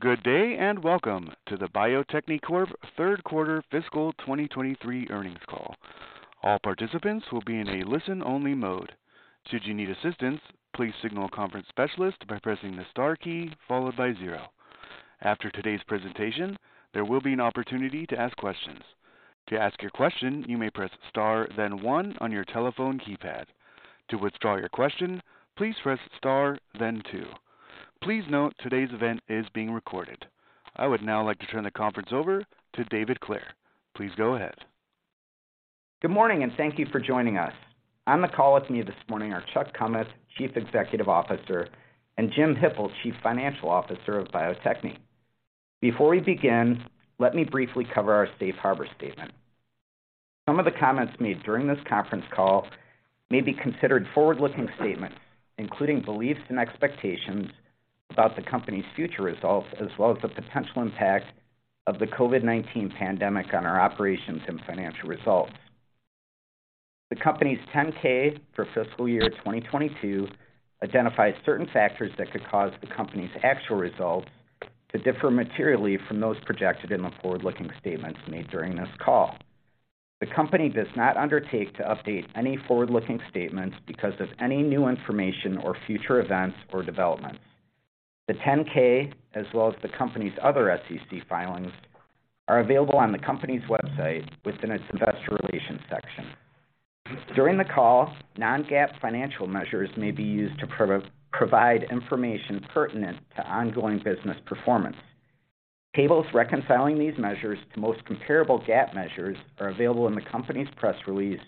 Good day, welcome to the Bio-Techne Corp Q3 fiscal 2023 Earnings Call. All participants will be in a listen-only mode. Should you need assistance, please signal a conference specialist by pressing the star key followed by zero. After today's presentation, there will be an opportunity to ask questions. To ask your question, you may press star then one on your telephone keypad. To withdraw your question, please press star then two. Please note today's event is being recorded. I would now like to turn the conference over to David Clair. Please go ahead. Good morning, and thank you for joining us. On the call with me this morning are Chuck Kummeth, Chief Executive Officer, and Jim Hippel, Chief Financial Officer of Bio-Techne. Before we begin, let me briefly cover our safe harbor statement. Some of the comments made during this conference call may be considered forward-looking statements, including beliefs and expectations about the company's future results, as well as the potential impact of the COVID-19 pandemic on our operations and financial results. The company's 10-K for fiscal year 2022 identifies certain factors that could cause the company's actual results to differ materially from those projected in the forward-looking statements made during this call. The company does not undertake to update any forward-looking statements because of any new information or future events or developments. The 10-K as well as the company's other SEC filings are available on the company's website within its investor relations section. During the call, non-GAAP financial measures may be used to provide information pertinent to ongoing business performance. Tables reconciling these measures to most comparable GAAP measures are available in the company's press release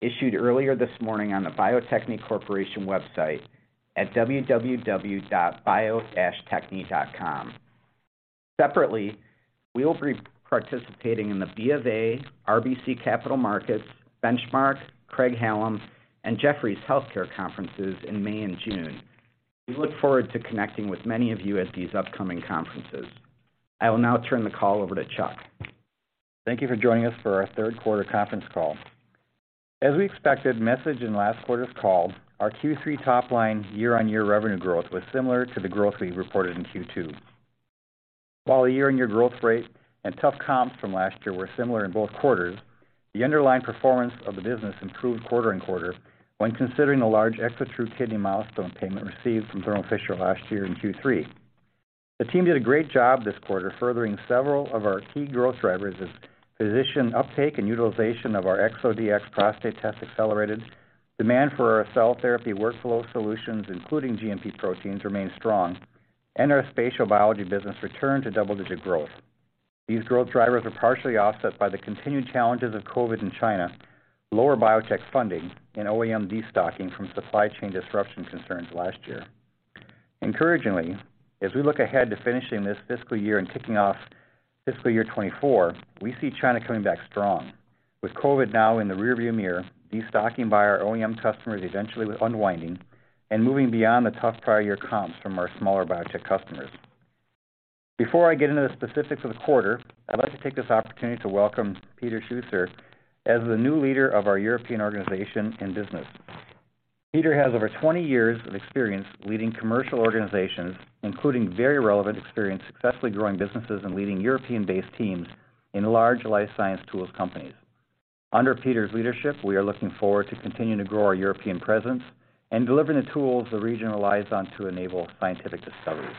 issued earlier this morning on the Bio-Techne Corporation website at www.bio-techne.com. Separately, we will be participating in the B of A, RBC Capital Markets, Benchmark, Craig-Hallum, and Jefferies Healthcare conferences in May and June. We look forward to connecting with many of you at these upcoming conferences. I will now turn the call over to Chuck. Thank you for joining us for our Q3 Conference Call. As we expected, message in last quarter's call, our Q3 top line year-on-year revenue growth was similar to the growth we reported in Q2. The year-on-year growth rate and tough comps from last year were similar in both quarters, the underlying performance of the business improved quarter and quarter when considering the large ExoTRU Kidney milestone payment received from Thermo Fisher last year in Q3. The team did a great job this quarter furthering several of our key growth drivers as physician uptake and utilization of our ExoDx Prostate test accelerated. Demand for our cell therapy workflow solutions, including GMP proteins, remain strong, our spatial biology business returned to double-digit growth. These growth drivers are partially offset by the continued challenges of COVID in China, lower biotech funding, and OEM destocking from supply chain disruption concerns last year. As we look ahead to finishing this fiscal year and kicking off fiscal year 2024, we see China coming back strong. With COVID now in the rearview mirror, destocking by our OEM customers eventually unwinding and moving beyond the tough prior year comps from our smaller biotech customers. Before I get into the specifics of the quarter, I'd like to take this opportunity to welcome Peter Schuessler as the new leader of our European organization and business. Peter has over 20 years of experience leading commercial organizations, including very relevant experience successfully growing businesses and leading European-based teams in large life science tools companies. Under Peter's leadership, we are looking forward to continuing to grow our European presence and delivering the tools the region relies on to enable scientific discoveries.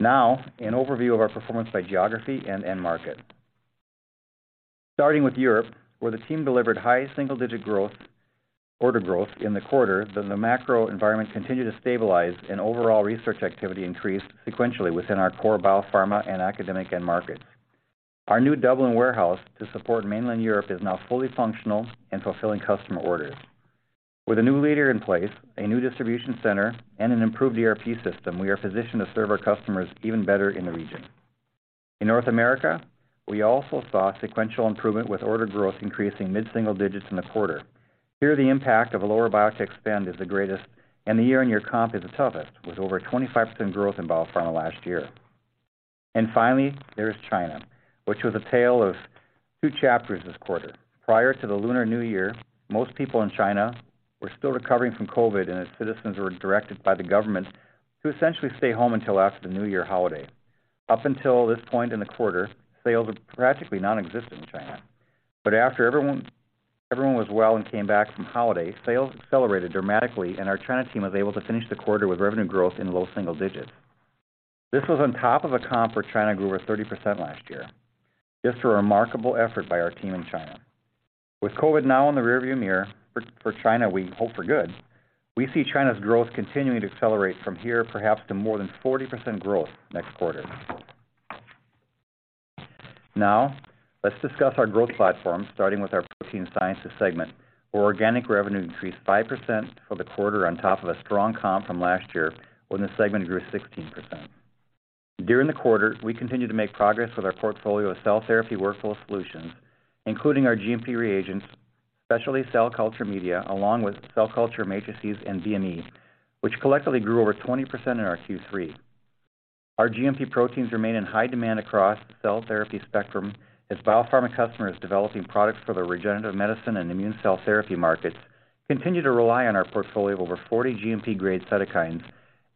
An overview of our performance by geography and end market. Starting with Europe, where the team delivered high single-digit growth, order growth in the quarter, the macro environment continued to stabilize and overall research activity increased sequentially within our core biopharma and academic end markets. Our new Dublin warehouse to support mainland Europe is now fully functional and fulfilling customer orders. With a new leader in place, a new distribution center, and an improved ERP system, we are positioned to serve our customers even better in the region. In North America, we also saw sequential improvement with order growth increasing mid-single digits in the quarter. Here, the impact of a lower biotech spend is the greatest, and the year-on-year comp is the toughest, with over 25% growth in biopharma last year. Finally, there is China, which was a tale of two chapters this quarter. Prior to the Lunar New Year, most people in China were still recovering from COVID, and its citizens were directed by the government to essentially stay home until after the new year holiday. Up until this point in the quarter, sales were practically nonexistent in China. But after everyone was well and came back from holiday, sales accelerated dramatically, and our China team was able to finish the quarter with revenue growth in low single digits. This was on top of a comp where China grew over 30% last year. This was a remarkable effort by our team in China. With COVID now in the rearview mirror for China, we hope for good, we see China's growth continuing to accelerate from here perhaps to more than 40% growth next quarter. Let's discuss our growth platform, starting with our protein sciences segment, where organic revenue increased 5% for the quarter on top of a strong comp from last year when the segment grew 16%. During the quarter, we continued to make progress with our portfolio of cell therapy workflow solutions, including our GMP reagents, specialty cell culture media, along with cell culture matrices and DMEM, which collectively grew over 20% in our Q3. Our GMP proteins remain in high demand across cell therapy spectrum as biopharma customers developing products for the regenerative medicine and immune cell therapy markets continue to rely on our portfolio of over 40 GMP grade cytokines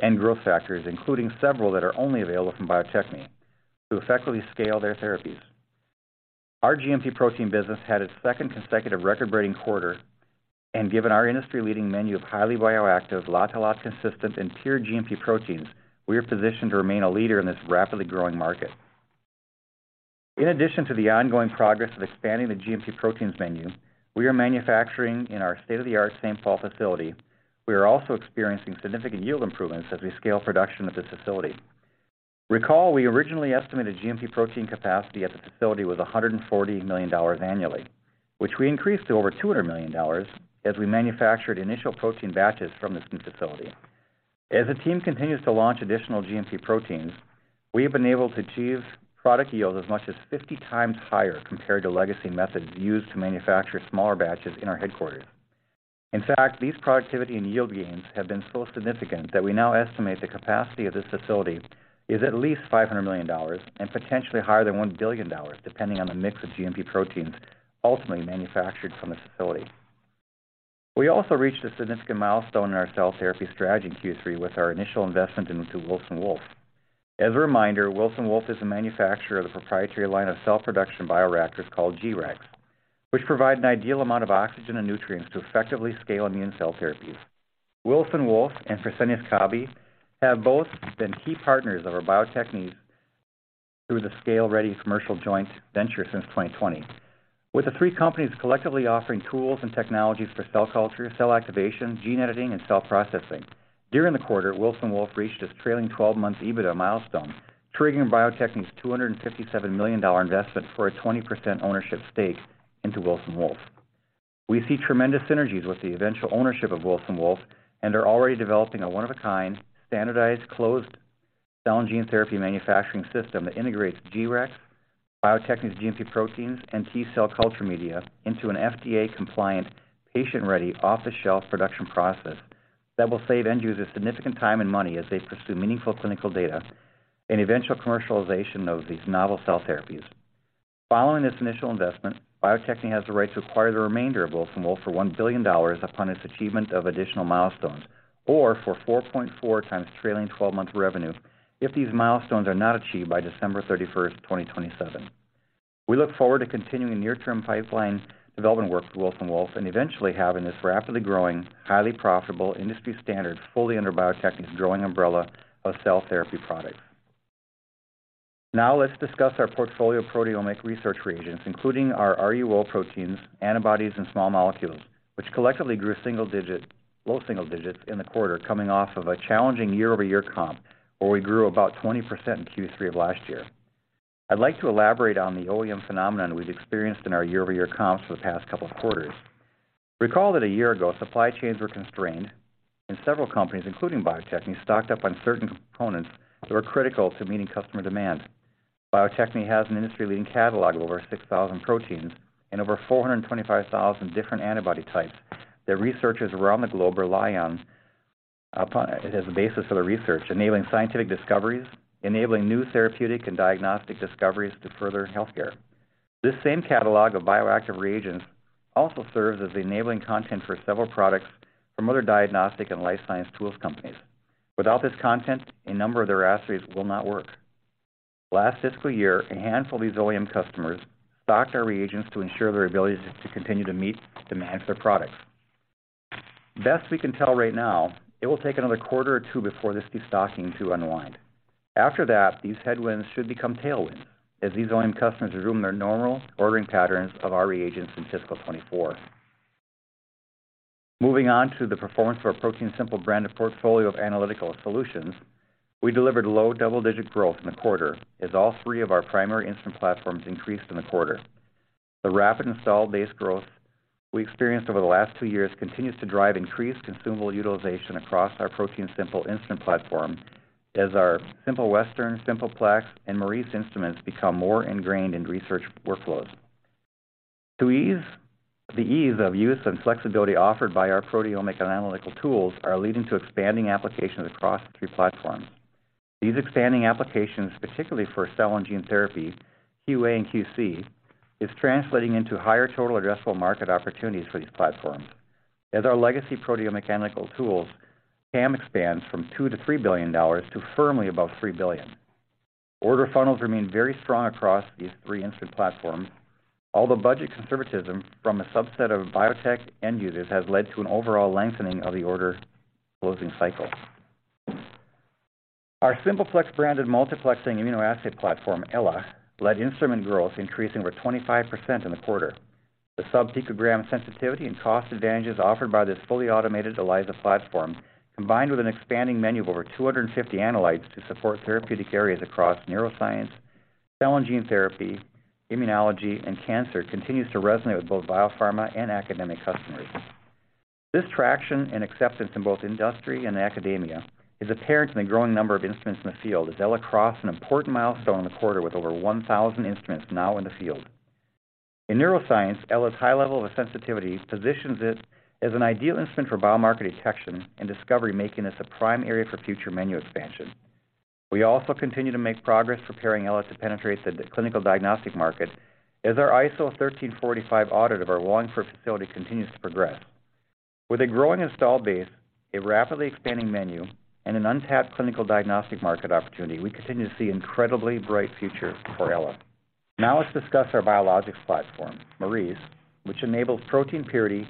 and growth factors, including several that are only available from Bio-Techne, to effectively scale their therapies. Our GMP protein business had its second consecutive record-breaking quarter. Given our industry-leading menu of highly bioactive, lot-to-lot consistent and pure GMP proteins, we are positioned to remain a leader in this rapidly growing market. In addition to the ongoing progress of expanding the GMP proteins menu, we are manufacturing in our state-of-the-art St. Paul facility. We are also experiencing significant yield improvements as we scale production at this facility. We originally estimated GMP protein capacity at the facility was $140 million annually, which we increased to over $200 million as we manufactured initial protein batches from this new facility. As the team continues to launch additional GMP proteins, we have been able to achieve product yield as much as 50 times higher compared to legacy methods used to manufacture smaller batches in our headquarters. In fact, these productivity and yield gains have been so significant that we now estimate the capacity of this facility is at least $500 million and potentially higher than $1 billion, depending on the mix of GMP proteins ultimately manufactured from this facility. We also reached a significant milestone in our cell therapy strategy in Q3 with our initial investment into Wilson Wolf. As a reminder, Wilson Wolf is a manufacturer of the proprietary line of cell production bioreactors called G-Rex, which provide an ideal amount of oxygen and nutrients to effectively scale immune cell therapies. Wilson Wolf and Fresenius Kabi have both been key partners of our Bio-Techne through the ScaleReady commercial joint venture since 2020, with the three companies collectively offering tools and technologies for cell culture, cell activation, gene editing and cell processing. During the quarter, Wilson Wolf reached its trailing 12 months EBITDA milestone, triggering Bio-Techne's $257 million investment for a 20% ownership stake into Wilson Wolf. We see tremendous synergies with the eventual ownership of Wilson Wolf and are already developing a one of a kind, standardized, closed cell and gene therapy manufacturing system that integrates G-Rex, Bio-Techne's GMP proteins and T-cell culture media into an FDA compliant, patient-ready, off-the-shelf production process that will save end users significant time and money as they pursue meaningful clinical data and eventual commercialization of these novel cell therapies. Following this initial investment, Bio-Techne has the right to acquire the remainder of Wilson Wolf for $1 billion upon its achievement of additional milestones, or for 4.4 times trailing 12-month revenue if these milestones are not achieved by December 31, 2027. We look forward to continuing near term pipeline development work with Wilson Wolf and eventually having this rapidly growing, highly profitable industry standard fully under Bio-Techne's growing umbrella of cell therapy products. Let's discuss our portfolio of proteomic research reagents, including our RUO proteins, antibodies and small molecules, which collectively grew low single digits in the quarter coming off of a challenging year-over-year comp where we grew about 20% in Q3 of last year. I'd like to elaborate on the OEM phenomenon we've experienced in our year-over-year comps for the past couple of quarters. Recall that a year ago, supply chains were constrained and several companies, including Bio-Techne, stocked up on certain components that were critical to meeting customer demands. Bio-Techne has an industry-leading catalog of over 6,000 proteins and over 425,000 different antibody types that researchers around the globe rely upon as a basis for their research, enabling scientific discoveries, enabling new therapeutic and diagnostic discoveries to further healthcare. This same catalog of bioactive reagents also serves as the enabling content for several products from other diagnostic and life science tools companies. Without this content, a number of their assays will not work. Last fiscal year, a handful of these OEM customers stocked our reagents to ensure their ability to continue to meet demand for products. Best we can tell right now it will take another quarter or two before this destocking to unwinds. After that, these headwinds should become tailwinds as these OEM customers resume their normal ordering patterns of our reagents in fiscal 2024. Moving on to the performance of our Protein Simple brand of portfolio of analytical solutions, we delivered low double-digit growth in the quarter as all three of our primary instrument platforms increased in the quarter. The rapidly growing installed base growth we experienced over the last two years continues to drive increased consumable utilization across our Protein Simple instrument platform as our Simple Western, Simple Plex and Maurice instruments become more ingrained in research workflows. The ease of use and flexibility offered by our proteomic analytical tools are leading to expanding applications across three platforms. These expanding applications, particularly for cell and gene therapy, QA/QC, is translating into higher total addressable market opportunities for these platforms as our legacy proteome mechanical tools TAM expands from $2 billion-$3 billion to firmly above $3 billion. Order funnels remain very strong across these three instrument platforms. Budget conservatism from a subset of biotech end users has led to an overall lengthening of the order closing cycle. Our Simple Plex branded multiplexing immunoassay platform, Ella, led instrument growth, increasing over 25% in the quarter. The sub-picogram sensitivity and cost advantages offered by this fully automated ELISA platform, combined with an expanding menu of over 250 analytes to support therapeutic areas across neuroscience, cell and gene therapy, immunology and cancer, continues to resonate with both biopharma and academic customers. This traction and acceptance in both industry and academia is apparent in the growing number of instruments in the field as Ella crossed an important milestone in the quarter with over 1,000 instruments now in the field. In neuroscience, Ella's high level of sensitivity positions it as an ideal instrument for biomarker detection and discovery, making this a prime area for future menu expansion. We also continue to make progress preparing Ella to penetrate the clinical diagnostic market as our ISO 13485 audit of our Wallingford facility continues to progress. With a growing installed base, a rapidly expanding menu, and an untapped clinical diagnostic market opportunity, we continue to see incredibly bright future for Ella. Let's discuss our biologics platform, Maurice, which enables protein purity,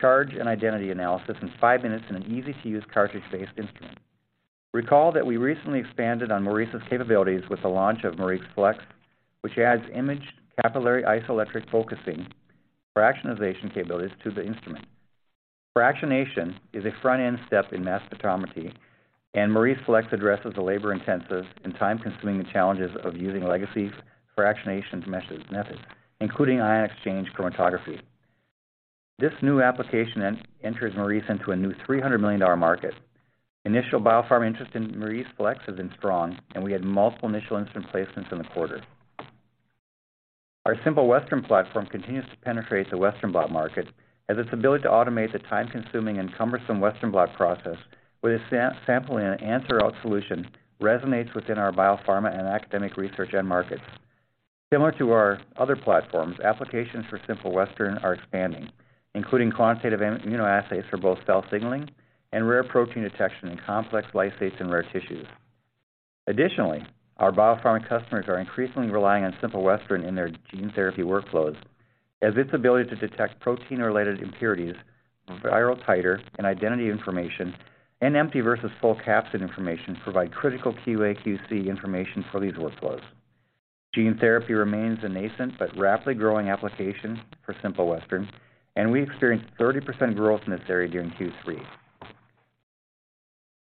charge, and identity analysis in five minutes in an easy-to-use cartridge-based instrument. Recall that we recently expanded on Maurice's capabilities with the launch of Maurice Flex, which adds image capillary isoelectric focusing fractionation capabilities to the instrument. Fractionation is a front-end step in mass spectrometry. Maurice Flex addresses the labor-intensive and time-consuming challenges of using legacy fractionation methods, including ion exchange chromatography. This new application enters Maurice into a new $300 million market. Initial biopharma interest in Maurice Flex has been strong. We had multiple initial instrument placements in the quarter. Our Simple Western platform continues to penetrate the Western blot market as its ability to automate the time-consuming and cumbersome Western blot process with a sample-to-answer route solution resonates within our biopharma and academic research end markets. Similar to our other platforms, applications for Simple Western are expanding, including quantitative immunoassays for both cell signaling and rare protein detection in complex lysates and rare tissues. Additionally, our biopharma customers are increasingly relying on Simple Western in their gene therapy workflows, as its ability to detect protein-related impurities, viral titer, and identity information, and empty versus full capsid information provides critical QA/QC information for these workflows. Gene therapy remains a nascent but rapidly growing application for Simple Western, and we experienced 30% growth in this area during Q3.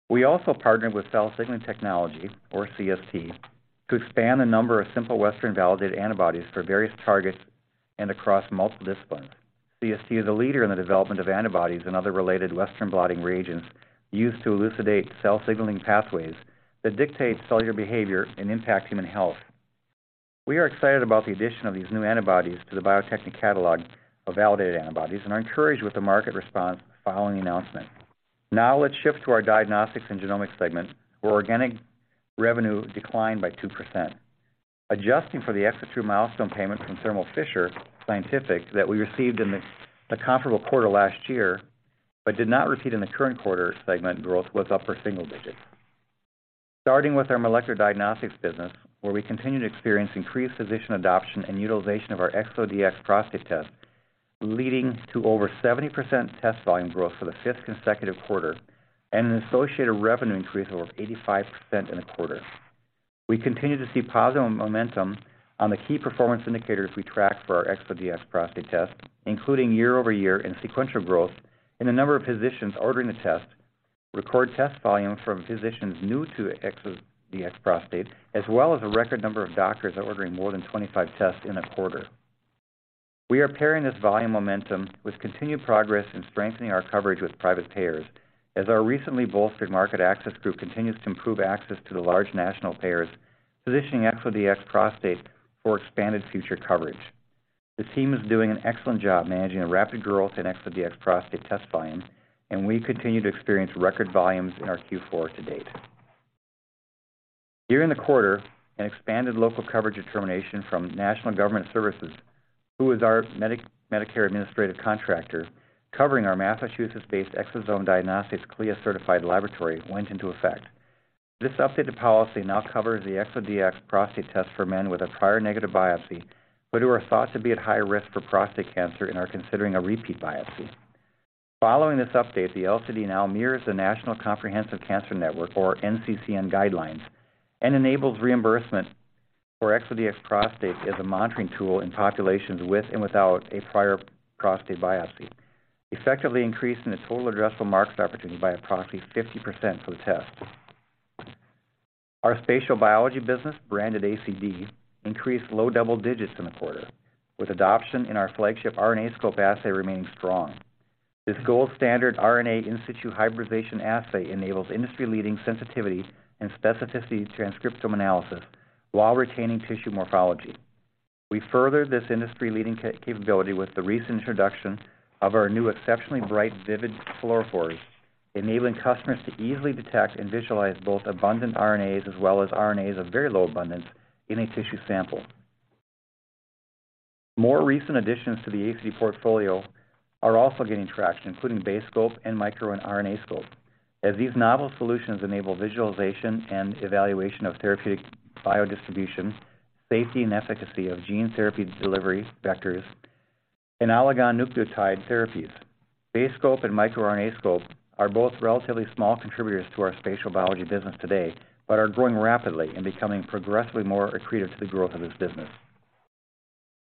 We also partnered with Cell Signaling Technology, or CST, to expand the number of Simple Western validated antibodies for various targets and across multiple disciplines. CST is a leader in the development of antibodies and other related Western blotting reagents used to elucidate cell signaling pathways that dictate cellular behavior and impact human health. We are excited about the addition of these new antibodies to the Bio-Techne catalog of validated antibodies and are encouraged by the market response following the announcement. Let's shift to our Diagnostics and Genomics Segment, where organic revenue declined by 2%. Adjusting for the exosome milestone payments from Thermo Fisher Scientific that we received in the comparable quarter last year, but did not repeat in the current quarter, segment growth was up for single digits. Starting with our molecular diagnostics business, where we continue to experience increased physician adoption and utilization of our ExoDx Prostate test, leading to over 70% test volume growth for the fifth consecutive quarter and an associated revenue increase of over 85% in the quarter. We continue to see positive momentum on the key performance indicators we track for our ExoDx Prostate test, including year-over-year and sequential growth in the number of physicians ordering the test, record test volume from physicians new to ExoDx Prostate, as well as a record number of doctors ordering more than 25 tests in a quarter. We are pairing this volume momentum with continued progress in strengthening our coverage with private payers, as our recently bolstered market access group continues to improve access to the large national payers, positioning ExoDx Prostate for expanded future coverage. The team is doing an excellent job managing a rapid growth in ExoDx Prostate test volume, and we continue to experience record volumes in our Q4 to date. During the quarter, an expanded local coverage determination from National Government Services, who is our Medicare administrative contractor, covering our Massachusetts-based Exosome Diagnostics CLIA certified laboratory, went into effect. This updated policy now covers the ExoDx Prostate test for men with a prior negative biopsy, who are thought to be at high risk for prostate cancer and are considering a repeat biopsy. Following this update, the LCD now mirrors the National Comprehensive Cancer Network, or NCCN, guidelines and enables reimbursement for ExoDx Prostate as a monitoring tool in populations with and without a prior prostate biopsy, effectively increasing the total addressable market opportunity by approximately 50% for the test. Our spatial biology business, branded ACD, increased low double digits in the quarter, with adoption in our flagship RNAscope assay remaining strong. This gold standard RNA in situ hybridization assay enables industry-leading sensitivity and specificity transcriptome analysis while retaining tissue morphology. We furthered this industry-leading capability with the recent introduction of our new exceptionally bright, vivid fluorophores, enabling customers to easily detect and visualize both abundant RNAs as well as RNAs of very low abundance in a tissue sample. More recent additions to the ACD portfolio are also getting traction, including BaseScope and miRNAscope, as these novel solutions enable visualization and evaluation of therapeutic biodistribution, safety, and efficacy of gene therapy delivery vectors, and oligonucleotide therapies. BaseScope and miRNAscope are both relatively small contributors to our spatial biology business today, are growing rapidly and becoming progressively more accretive to the growth of this business.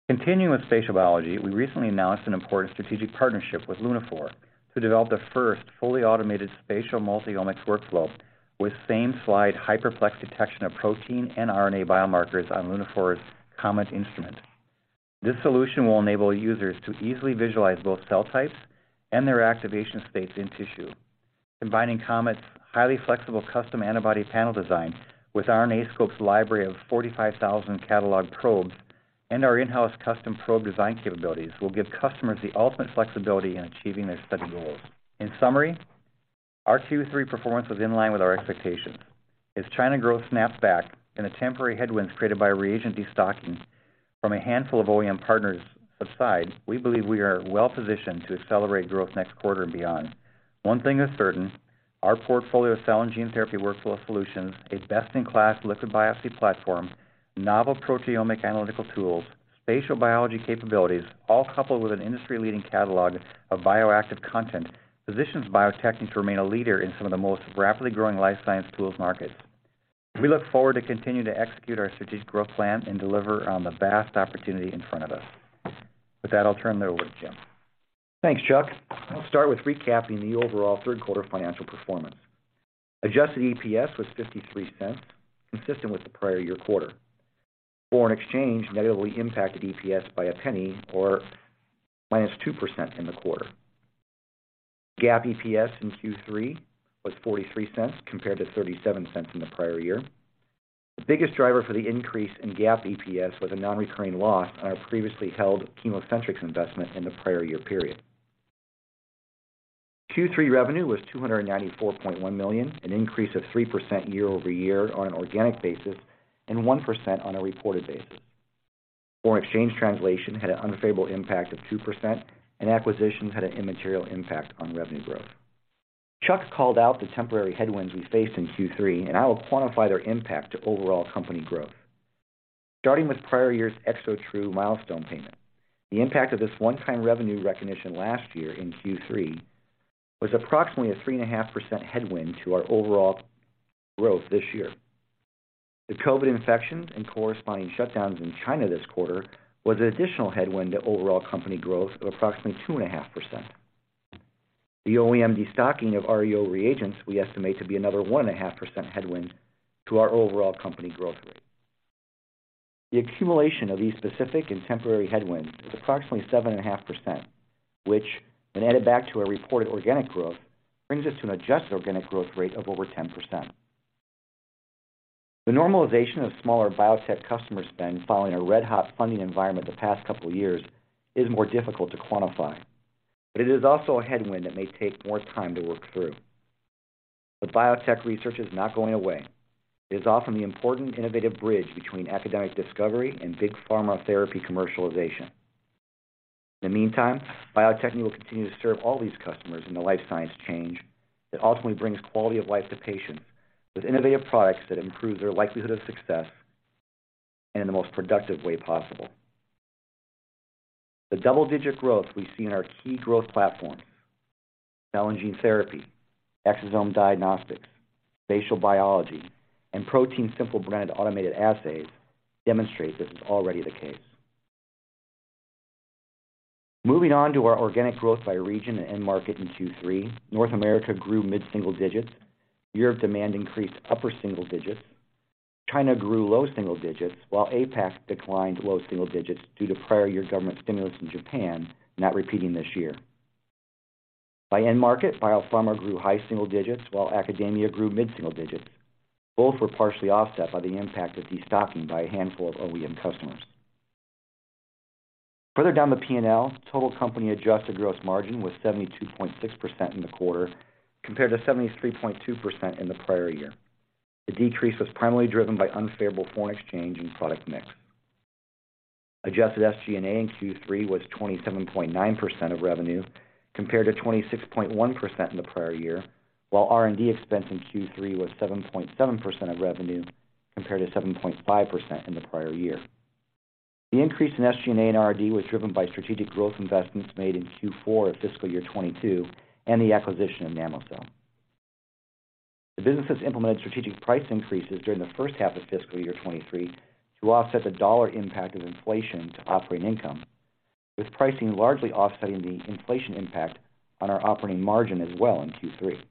Continuing with spatial biology, we recently announced an important strategic partnership with Lunaphore to develop the first fully automated spatial multi-omics workflow with same-slide Hyperplex detection of protein and RNA biomarkers on Lunaphore's COMET instrument. This solution will enable users to easily visualize both cell types and their activation states in tissue. Combining COMET's highly flexible custom antibody panel design with RNAscope's library of 45,000 cataloged probes. Our in-house custom probe design capabilities will give customers the ultimate flexibility in achieving their study goals. In summary, our Q3 performance was in line with our expectations. As China growth snaps back and the temporary headwinds created by reagent destocking from a handful of OEM partners subside, we believe we are well-positioned to accelerate growth next quarter and beyond. One thing is certain, our portfolio of cell and gene therapy workflow solutions, a best-in-class liquid biopsy platform, novel proteomic analytical tools, spatial biology capabilities, all coupled with an industry-leading catalog of bioactive content, positions Bio-Techne to remain a leader in some of the most rapidly growing life science tools markets. We look forward to continuing to execute our strategic growth plan and deliver on the vast opportunity in front of us. With that, I'll turn it over to Jim. Thanks, Chuck. I'll start with recapping the overall Q3 financial performance. Adjusted EPS was $0.53, consistent with the prior year quarter. Foreign exchange negatively impacted EPS by $0.01 or -2% in the quarter. GAAP EPS in Q3 was $0.43 compared to $0.37 in the prior year. The biggest driver for the increase in GAAP EPS was a non-recurring loss on our previously held ChemoCentryx investment in the prior year period. Q3 revenue was $294.1 million, an increase of 3% year-over-year on an organic basis, and 1% on a reported basis. Foreign exchange translation had an unfavorable impact of 2% and acquisitions had an immaterial impact on revenue growth. Chuck called out the temporary headwinds we faced in Q3, and I will quantify their impact to overall company growth. Starting with prior year's ExoTRU milestone payment, the impact of this one-time revenue recognition last year in Q3 was approximately a 3.5% headwind to our overall growth this year. The COVID infections and corresponding shutdowns in China this quarter was an additional headwind to overall company growth of approximately 2.5%. The OEM destocking of RUO reagents we estimate to be another 1.5% headwind to our overall company growth rate. The accumulation of these specific and temporary headwinds is approximately 7.5%, which, when added back to our reported organic growth, brings us to an adjusted organic growth rate of over 10%. The normalization of smaller biotech customer spend following a red-hot funding environment the past couple of years is more difficult to quantify, it is also a headwind that may take more time to work through. Biotech research is not going away. It is often the important innovative bridge between academic discovery and big pharma therapy commercialization. In the meantime, Bio-Techne will continue to serve all these customers in the life science change that ultimately brings quality of life to patients with innovative products that improve their likelihood of success and in the most productive way possible. The double-digit growth we see in our key growth platforms, cell and gene therapy, Exosome Diagnostics, spatial biology, and ProteinSimple branded automated assays, demonstrate this is already the case. Moving on to our organic growth by region and end market in Q3, North America grew mid-single digits. Europe demand increased upper single digits. China grew low single digits, while APAC declined low single digits due to prior year government stimulus in Japan not repeating this year. By end market, biopharma grew high single digits, while academia grew mid-single digits. Both were partially offset by the impact of destocking by a handful of OEM customers. Further down the P&L, total company adjusted gross margin was 72.6% in the quarter, compared to 73.2% in the prior year. The decrease was primarily driven by unfavorable foreign exchange and product mix. Adjusted SG&A in Q3 was 27.9% of revenue, compared to 26.1% in the prior year, while R&D expense in Q3 was 7.7% of revenue, compared to 7.5% in the prior year. The increase in SG&A and R&D was driven by strategic growth investments made in Q4 of fiscal year 2022 and the acquisition of Namocell. The business has implemented strategic price increases during the first half of fiscal year 2023 to offset the dollar impact of inflation to operating income, with pricing largely offsetting the inflation impact on our operating margin as well in Q3.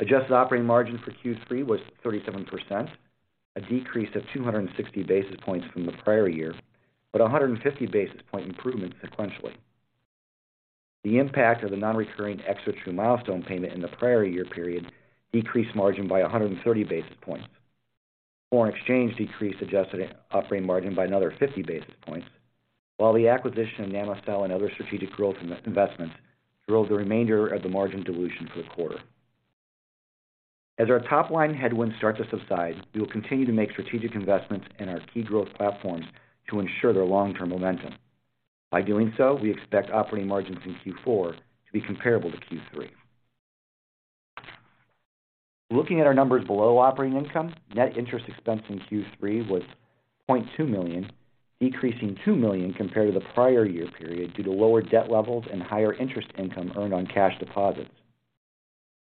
Adjusted operating margin for Q3 was 37%, a decrease of 260 basis points from the prior year, but 150 basis point improvement sequentially. The impact of the non-recurring ExoTRU milestone payment in the prior year period decreased margin by 130 basis points. Foreign exchange decreased adjusted operating margin by another 50 basis points, while the acquisition of Namocell and other strategic growth investments drove the remainder of the margin dilution for the quarter. As our top line headwinds start to subside, we will continue to make strategic investments in our key growth platforms to ensure their long-term momentum. By doing so, we expect operating margins in Q4 to be comparable to Q3. Looking at our numbers below operating income, net interest expense in Q3 was $0.2 million, decreasing $2 million compared to the prior year period due to lower debt levels and higher interest income earned on cash deposits.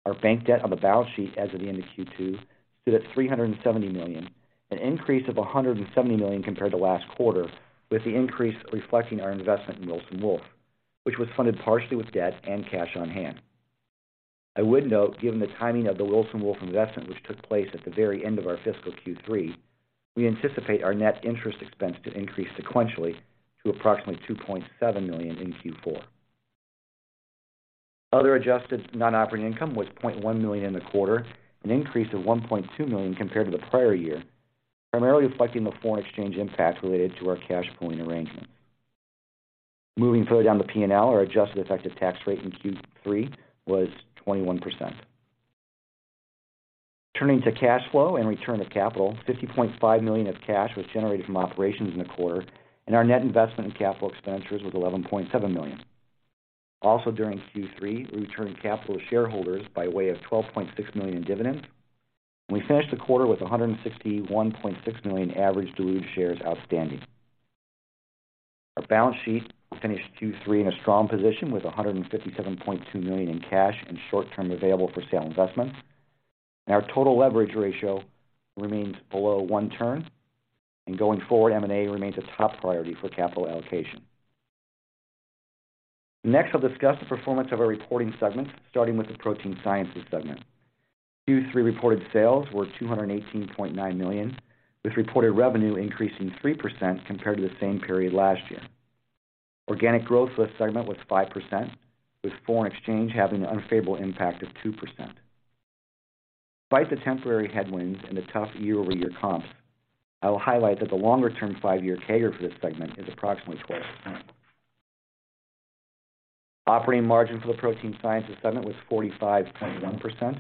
Our bank debt on the balance sheet as of the end of Q2 stood at $370 million, an increase of $170 million compared to last quarter, with the increase reflecting our investment in Wilson Wolf, which was funded partially with debt and cash on hand. I would note, given the timing of the Wilson Wolf investment, which took place at the very end of our fiscal Q3, we anticipate our net interest expense to increase sequentially to approximately $2.7 million in Q4. Other adjusted non-operating income was $0.1 million in the quarter, an increase of $1.2 million compared to the prior year, primarily reflecting the foreign exchange impact related to our cash point arrangement. Moving further down the PNL, our adjusted effective tax rate in Q3 was 21%. Turning to cash flow and return of capital, $50.5 million of cash was generated from operations in the quarter, and our net investment in capital expenditures was $11.7 million. Also, during Q3, we returned capital to shareholders by way of $12.6 million in dividends. We finished the quarter with 161.6 million average dilute shares outstanding. Our balance sheet finished Q3 in a strong position with $157.2 million in cash and short-term available for sale investments. Our total leverage ratio remains below one turn. Going forward, M&A remains a top priority for capital allocation. Next, I'll discuss the performance of our reporting segments, starting with the protein sciences segment. Q3 reported sales were $218.9 million, with reported revenue increasing 3% compared to the same period last year. Organic growth for this segment was 5%, with foreign exchange having an unfavorable impact of 2%. Despite the temporary headwinds and the tough year-over-year comps, I will highlight that the longer-term 5-year CAGR for this segment is approximately 12%. Operating margin for the protein sciences segment was 45.1%,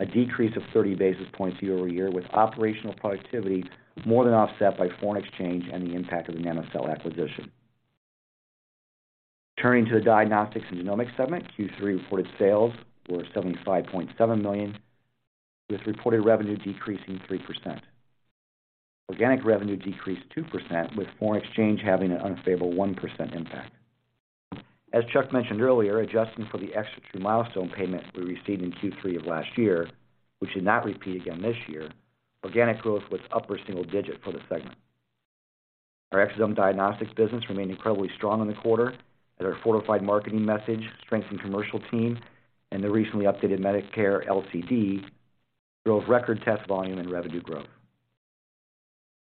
a decrease of 30 basis points year-over-year, with operational productivity more than offset by foreign exchange and the impact of the Namocell acquisition. Turning to the diagnostics and genomics segment, Q3 reported sales were $75.7 million, with reported revenue decreasing 3%. Organic revenue decreased 2%, with foreign exchange having an unfavorable 1% impact. As Chuck mentioned earlier, adjusting for the ExoTRU milestone payment we received in Q3 of last year, which should not repeat again this year, organic growth was upper single digit for the segment. Our Exosome Diagnostics business remained incredibly strong in the quarter as our fortified marketing message strengthened commercial team and the recently updated Medicare LCD drove record test volume and revenue growth.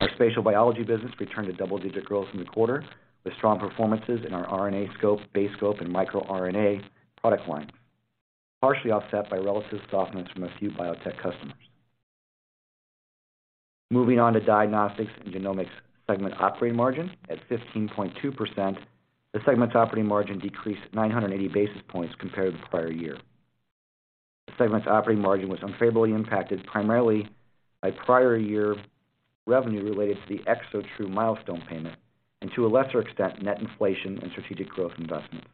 Our spatial biology business returned to double-digit growth in the quarter, with strong performances in our RNAscope, BaseScope, and micro RNA product line, partially offset by relative softness from a few biotech customers. Moving on to Diagnostics and Genomics Segment operating margin. At 15.2%, the segment's operating margin decreased 980 basis points compared to the prior year. The segment's operating margin was unfavorably impacted primarily by prior year revenue related to the ExoTRU milestone payment and to a lesser extent, net inflation and strategic growth investments.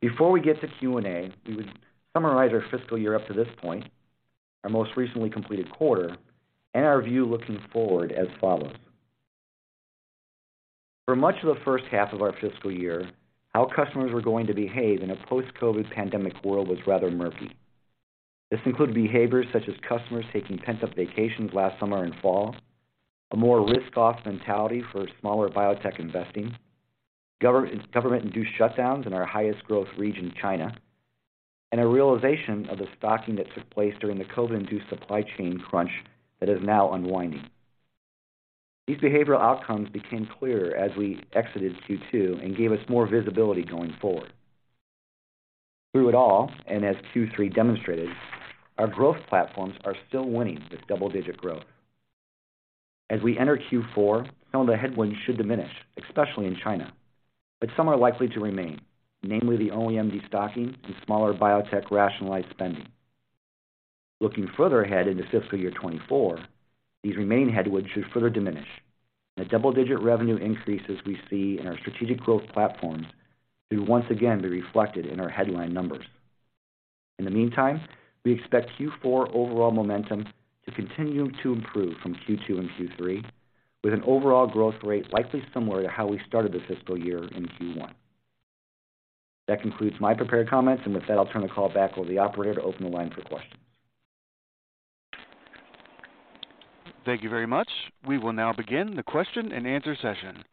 Before we get to Q&A, we would summarize our fiscal year up to this point, our most recently completed quarter, and our view looking forward as follows. For much of the first half of our fiscal year, how customers were going to behave in a post-COVID pandemic world was rather murky. This included behaviors such as customers taking pent-up vacations last summer and fall, a more risk-off mentality for smaller biotech investing, government-induced shutdowns in our highest growth region, China, and a realization of the stocking that took place during the COVID-induced supply chain crunch that is now unwinding. These behavioral outcomes became clearer as we exited Q2 and gave us more visibility going forward. Through it all, and as Q3 demonstrated, our growth platforms are still winning with double-digit growth. As we enter Q4, some of the headwinds should diminish, especially in China, but some are likely to remain, namely the OEMD stocking and smaller biotech rationalized spending. Looking further ahead into fiscal year 2024, these remaining headwinds should further diminish and the double-digit revenue increases we see in our strategic growth platforms should once again be reflected in our headline numbers. In the meantime, we expect Q4 overall momentum to continue to improve from Q2 and Q3, with an overall growth rate likely similar to how we started this fiscal year in Q1. That concludes my prepared comments. With that, I'll turn the call back over to the operator to open the line for questions. Thank you very much. We will now begin the Q&A session.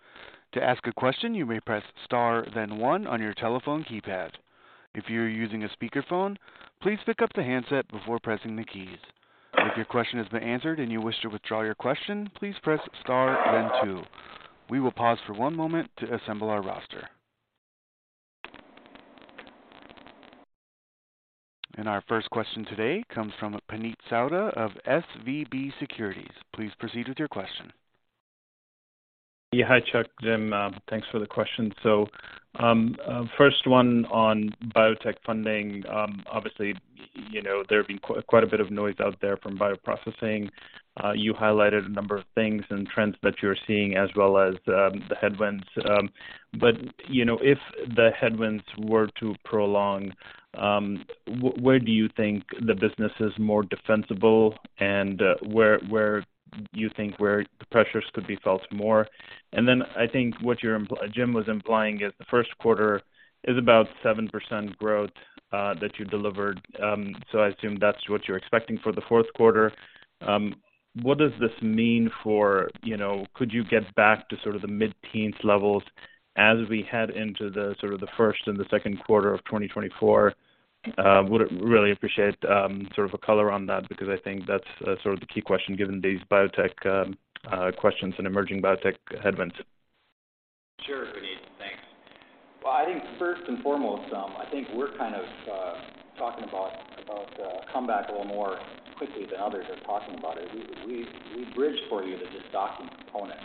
To ask a question, you may press Star, then one on your telephone keypad. If you're using a speakerphone, please pick up the handset before pressing the keys. If your question has been answered and you wish to withdraw your question, please press Star then two. We will pause for one moment to assemble our roster. Our first question today comes from Puneet Souda of SVB Securities. Please proceed with your question. Hi, Chuck Kummeth, Jim Hippel, thanks for the questions. First one on biotech funding. Obviously, you know, there have been quite a bit of noise out there from bioprocessing. You highlighted a number of things and trends that you're seeing as well as the headwinds. You know, if the headwinds were to prolong, where do you think the business is more defensible and where you think where the pressures could be felt more? I think what Jim Hippel was implying is Q1 is about 7% growth that you delivered. I assume that's what you're expecting for Q4. What does this mean for... You know, could you get back to sort of the mid-teens levels as we head into the sort of the first and Q2 of 2024? Would really appreciate sort of a color on that because I think that's sort of the key question given these biotech questions and emerging biotech headwinds. Sure, Puneet. Thanks. Well, I think first and foremost, I think we're kind of talking about the comeback a little more quickly than others are talking about it. We bridge for you the just docking component,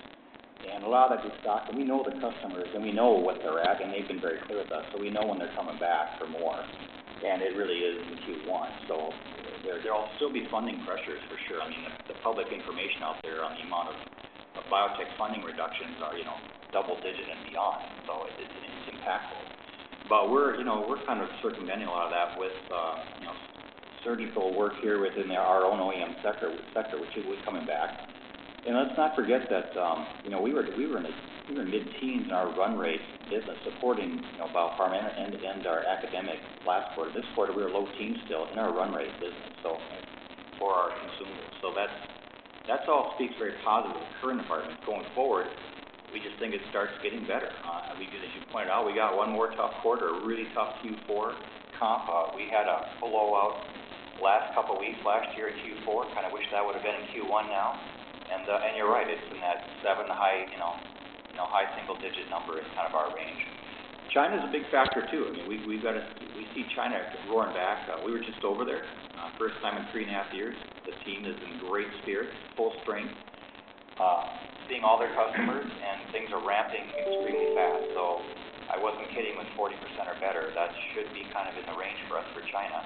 and a lot of it's docking. We know the customers, and we know what they're at, and they've been very clear with us, so we know when they're coming back for more. It really is in Q1. There will still be funding pressures for sure. I mean, the public information out there on the amount of biotech funding reductions are, you know, double digit and beyond. It is, it's impactful. We're, you know, we're kind of circumventing a lot of that with, you know, surgical work here within our own OEM sector, which is coming back. let's not forget that, you know, we were mid-teens in our run rate business supporting, you know, biopharma and our academic platform. This quarter, we were low teens still in our run rate business, so for our consumables. That's all speaks very positive to the current environment. Going forward, we just think it starts getting better. as you pointed out, we got 1 more tough quarter, a really tough Q4 comp. we had a blowout last couple weeks last year in Q4. Kind of wish that would've been in Q1 now. you're right, it's in that seven high, you know, high single digit number is kind of our range. China's a big factor too. I mean, we see China roaring back. We were just over there, first time in three and a half years. The team is in great spirit, full spring, seeing all their customers and things are ramping extremely fast. I wasn't kidding with 40% or better. That should be kind of in the range for us for China.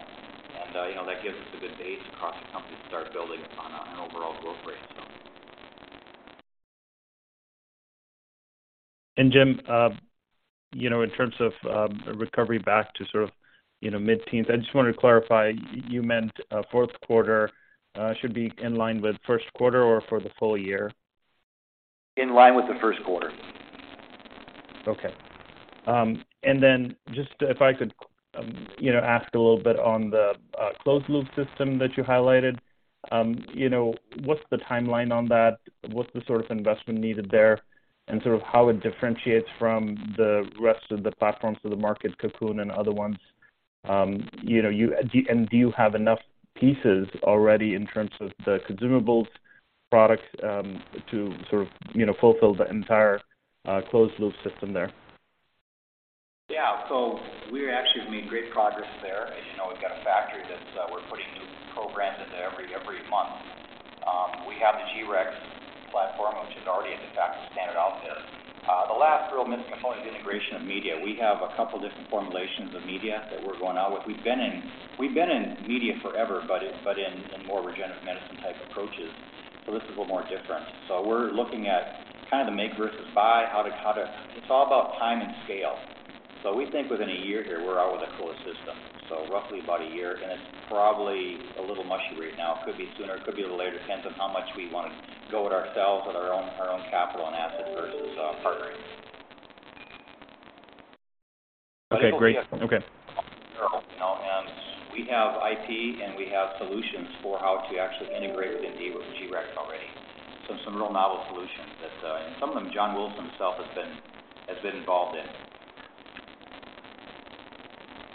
You know, that gives us a good base across the company to start building on a, an overall growth rate. Jim, you know, in terms of, a recovery back to sort of, you know, mid-teens, I just wanted to clarify, you meant, Q4, should be in line with Q1 or for the full year? In line with Q1. Okay. Just if I could, you know, ask a little bit on the closed loop system that you highlighted? You know, what's the timeline on that? What's the sort of investment needed there, and sort of how it differentiates from the rest of the platforms in the market, Cocoon and other ones? You know, do you have enough pieces already in terms of the consumables product, to sort of, you know, fulfill the entire closed loop system there? We actually have made great progress there. As you know, we've got a factory that's, we're putting new programs into every month. We have the G-Rex platform, which is already in de facto standard out there. The last real missing component is integration of media. We have a couple different formulations of media that we're going out with. We've been in media forever, but in more regenerative medicine type approaches. This is a little more different. We're looking at kind of the make versus buy, how to. It's all about time and scale. We think within a year here, we're out with a closed system, so roughly about a year. It's probably a little mushy right now. Could be sooner, could be a little later. Depends on how much we wanna go it ourselves with our own capital and asset versus partnering. Okay, great. Okay. You know, we have IP, and we have solutions for how to actually integrate with Indeed or G-Rex already. Some real novel solutions that, and some of them John Wilson himself has been involved in.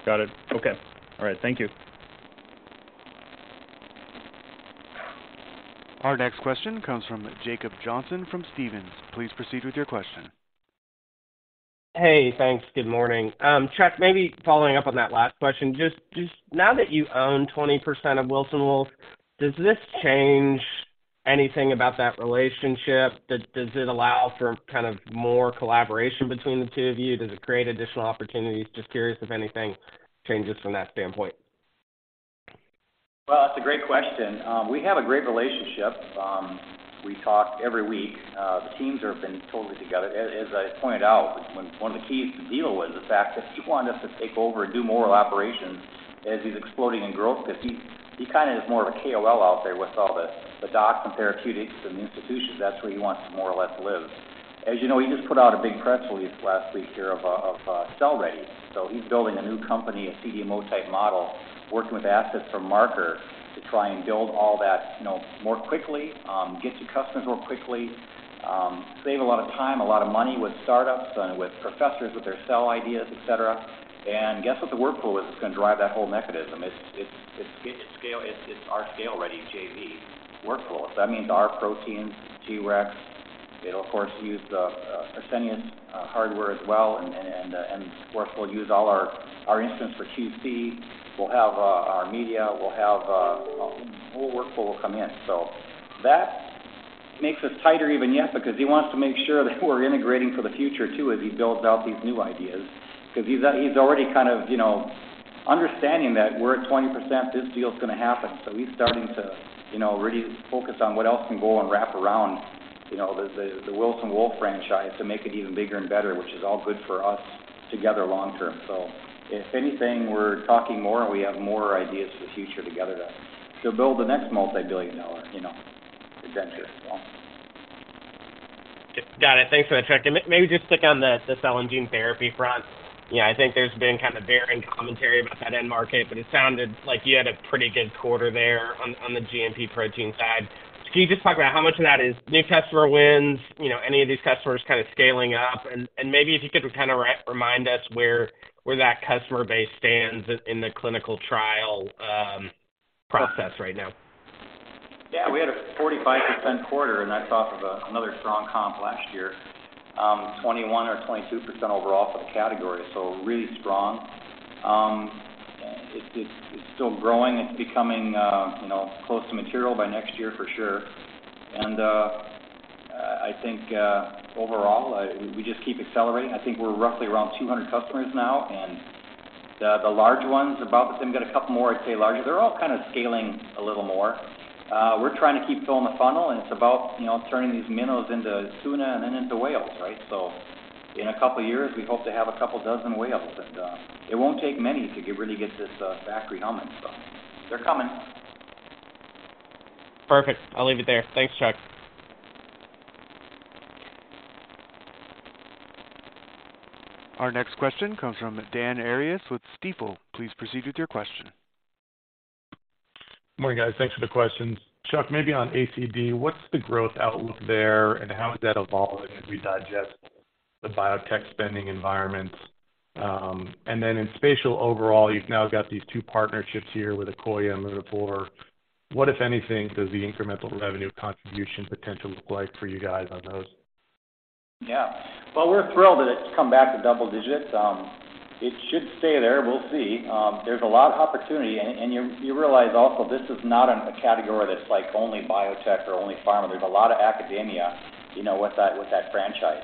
Got it. Okay. All right. Thank you. Our next question comes from Jacob Johnson from Stephens. Please proceed with your question. Hey, thanks. Good morning. Chuck, maybe following up on that last question, just now that you own 20% of Wilson Wolf, does this change anything about that relationship? Does it allow for kind of more collaboration between the two of you? Does it create additional opportunities? Just curious if anything changes from that standpoint. That's a great question. We have a great relationship. We talk every week. The teams have been totally together. As I pointed out, one of the keys to the deal was the fact that he wanted us to take over and do more operations as he's exploding in growth. He kind of is more of a KOL out there with all the docs and therapeutics and the institutions. That's where he wants to more or less live. You know, he just put out a big press release last week here of Cell-Ready. He's building a new company, a CDMO type model, working with assets from Marker Therapeutics to try and build all that, you know, more quickly, get to customers real quickly, save a lot of time, a lot of money with startups and with professors with their cell ideas, et cetera. Guess what the workflow is that's gonna drive that whole mechanism? It's scale. It's our ScaleReady JV workflow. That means our proteins, G-Rex. It'll of course use the Fresenius hardware as well and of course we'll use all our instruments for QC. We'll have our media. We'll have a whole workflow will come in. That makes us tighter even yet because he wants to make sure that we're integrating for the future too as he builds out these new ideas. He's already kind of, you know, understanding that we're at 20%, this deal's gonna happen. He's starting to, you know, really focus on what else can go and wrap around, you know, the, the Wilson Wolf franchise to make it even bigger and better, which is all good for us together long term. If anything, we're talking more and we have more ideas for the future together to build the next multi-billion dollar, you know, adventure. Got it. Thanks for that, Chuck. Maybe just click on the cell and gene therapy front. You know, I think there's been kind of varying commentary about that end market, but it sounded like you had a pretty good quarter there on the GMP protein side. Can you just talk about how much of that is new customer wins, you know, any of these customers kind of scaling up? Maybe if you could kind of remind us where that customer base stands in the clinical trial process right now. Yeah, we had a 45% quarter and that's off of another strong comp last year. 21% or 22% overall for the category. Really strong. It's still growing. It's becoming, you know, close to material by next year for sure. I think overall, we just keep accelerating. I think we're roughly around 200 customers now. We've even got a couple more I'd say large. They're all kind of scaling a little more. We're trying to keep filling the funnel, and it's about, you know, turning these minnows into tuna and then into whales, right? In a couple years, we hope to have a couple dozen whales, and it won't take many to really get this factory humming. They're coming. Perfect. I'll leave it there. Thanks, Chuck. Our next question comes from Dan Arias with Stifel. Please proceed with your question. Morning, guys. Thanks for the questions. Chuck, maybe on ACD, what's the growth outlook there and how is that evolving as we digest the biotech spending environment? In spatial overall, you've now got these two partnerships here with Akoya and Lunaphore. What, if anything, does the incremental revenue contribution potential look like for you guys on those? Yeah. Well, we're thrilled that it's come back to double digits. It should stay there. We'll see. There's a lot of opportunity and you realize also this is not an, a category that's like only Biotech or only Pharma. There's a lot of academia, you know, with that franchise.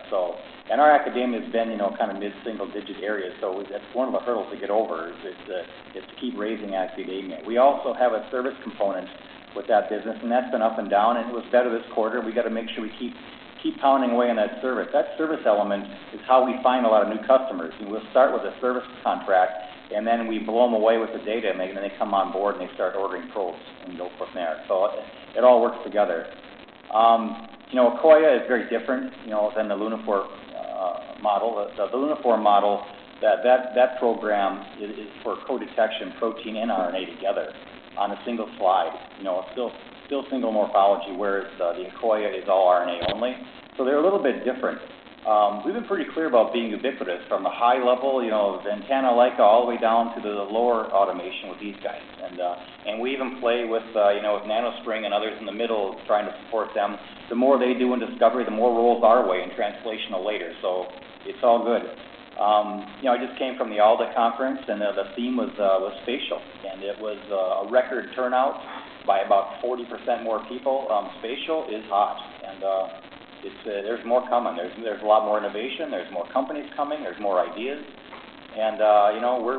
And our academia's been, you know, kind of mid-single digit area, so it's one of the hurdles to get over is to keep raising academia. We also have a service component with that business, and that's been up and down, and it was better this quarter. We gotta make sure we keep pounding away on that service. That service element is how we find a lot of new customers, we'll start with a service contract then we blow them away with the data, then they come on board, they start ordering probes and go from there. It all works together. You know, Akoya is very different, you know, than the Lunaphore model. The Lunaphore model that program is for co-detection protein and RNA together on a single slide. You know, it's still single morphology, whereas the Akoya is all RNA only. They're a little bit different. We've been pretty clear about being ubiquitous from a high level, you know, Ventana, Leica, all the way down to the lower automation with these guys. We even play with, you know, with NanoString and others in the middle trying to support them. The more they do in discovery, the more rolls our way in translational later. It's all good. You know, I just came from the AACR conference and the theme was spatial, and it was a record turnout by about 40% more people. Spatial is hot and it's there's more coming. There's a lot more innovation. There's more companies coming. There's more ideas and, you know, we're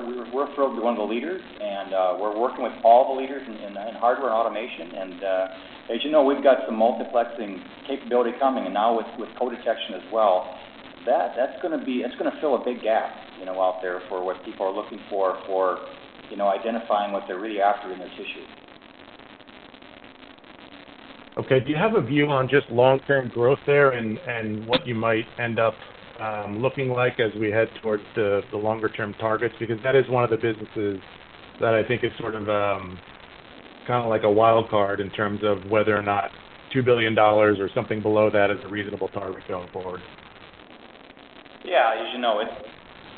thrilled to be one of the leaders, and we're working with all the leaders in hardware and automation. As you know, we've got some multiplexing capability coming and now with co-detection as well. That's gonna be... It's gonna fill a big gap, you know, out there for what people are looking for, you know, identifying what they're really after in this tissue. Okay. Do you have a view on just long-term growth there and what you might end up looking like as we head towards the longer term targets? That is one of the businesses that I think is sort of kind of like a wild card in terms of whether or not $2 billion or something below that is a reasonable target going forward. Yeah. As you know, it's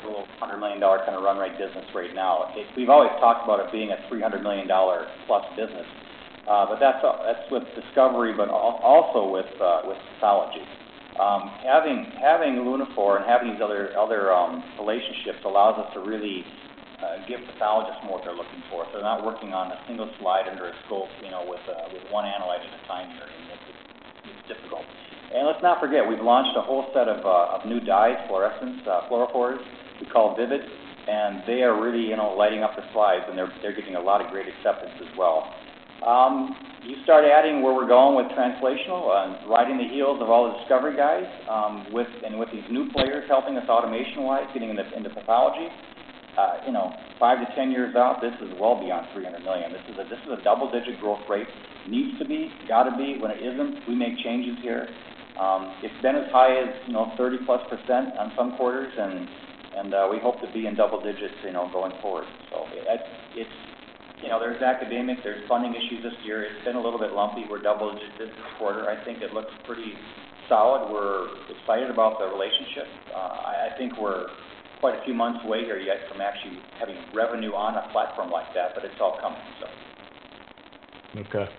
a little $100 million kind of run-rate business right now. We've always talked about it being a $300 million plus business, but that's with discovery, but also with pathology. Having Lunaphore and having these other relationships allows us to really give pathologists more what they're looking for. If they're not working on a single slide under a scope, you know, with one analyte at a time here, and it's difficult. Let's not forget, we've launched a whole set of new dyes, fluorescence, fluorophores we call VIVID, and they are really, you know, lighting up the slides, and they're getting a lot of great acceptance as well. You start adding where we're going with translational, riding the heels of all the discovery guys, and with these new players helping us automation-wise, getting this into pathology, you know, five to 10 years out, this is well beyond $300 million. This is a double-digit growth rate. Needs to be, gotta be. When it isn't, we make changes here. It's been as high as, you know, 30+% on some quarters and, we hope to be in double digits, you know, going forward. It's. You know, there are academics, there's funding issues this year. It's been a little bit lumpy. We're double digits this quarter. I think it looks pretty solid. We're excited about the relationship. I think we're quite a few months away from actually having revenue on a platform like that, but it's all coming, so. Okay.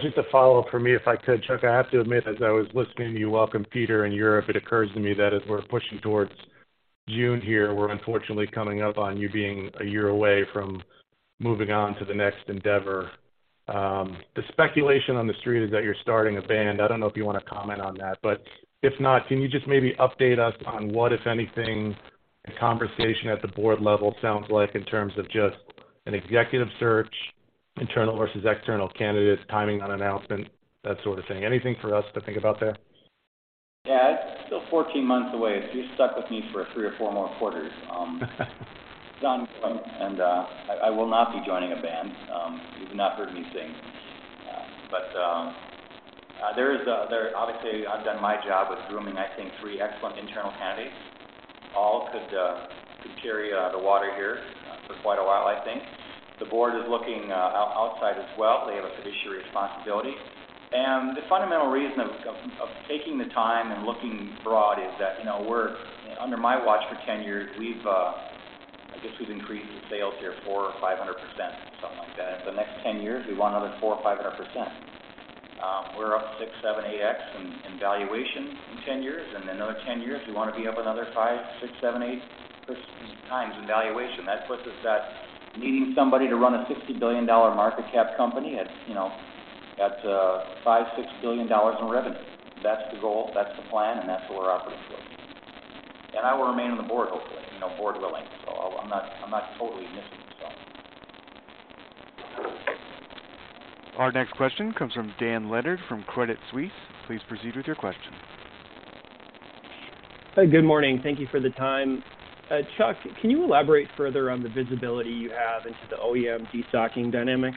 Just a follow-up from me, if I could. Chuck, I have to admit, as I was listening to you welcome Peter in Europe, it occurs to me that as we're pushing towards June here, we're unfortunately coming up on you being a year away from moving on to the next endeavor. The speculation on the street is that you're starting a band. I don't know if you wanna comment on that, but if not, can you just maybe update us on what, if anything, a conversation at the board level sounds like in terms of just an executive search, internal versus external candidates, timing on announcement, that sort of thing? Anything for us to think about there? Yeah. It's still 14 months away, so just stuck with me for three or four more quarters. It's ongoing and I will not be joining a band. You've not heard me sing. But there is. Obviously, I've done my job with grooming, I think, three excellent internal candidates. All could carry the water here for quite a while, I think. The board is looking outside as well. They have a fiduciary responsibility. The fundamental reason of taking the time and looking broad is that, you know, under my watch for 10 years, we've, I guess we've increased the sales here 400% or 500%, something like that. In the next 10 years, we want another 400% or 500%. We're up six, seven, eight X in valuation in 10 years, 10 years, we wanna be up another five, six, seven, eight times in valuation. That puts us at needing somebody to run a $60 billion market cap company at, you know, at $5 billion-$6 billion in revenue. That's the goal, that's the plan, that's where we're operating to. I will remain on the board, hopefully, you know, board willing. I'm not totally missing this all. Our next question comes from Dan Leonard from Credit Suisse. Please proceed with your question. Good morning. Thank you for the time. Chuck, can you elaborate further on the visibility you have into the OEM destocking dynamics?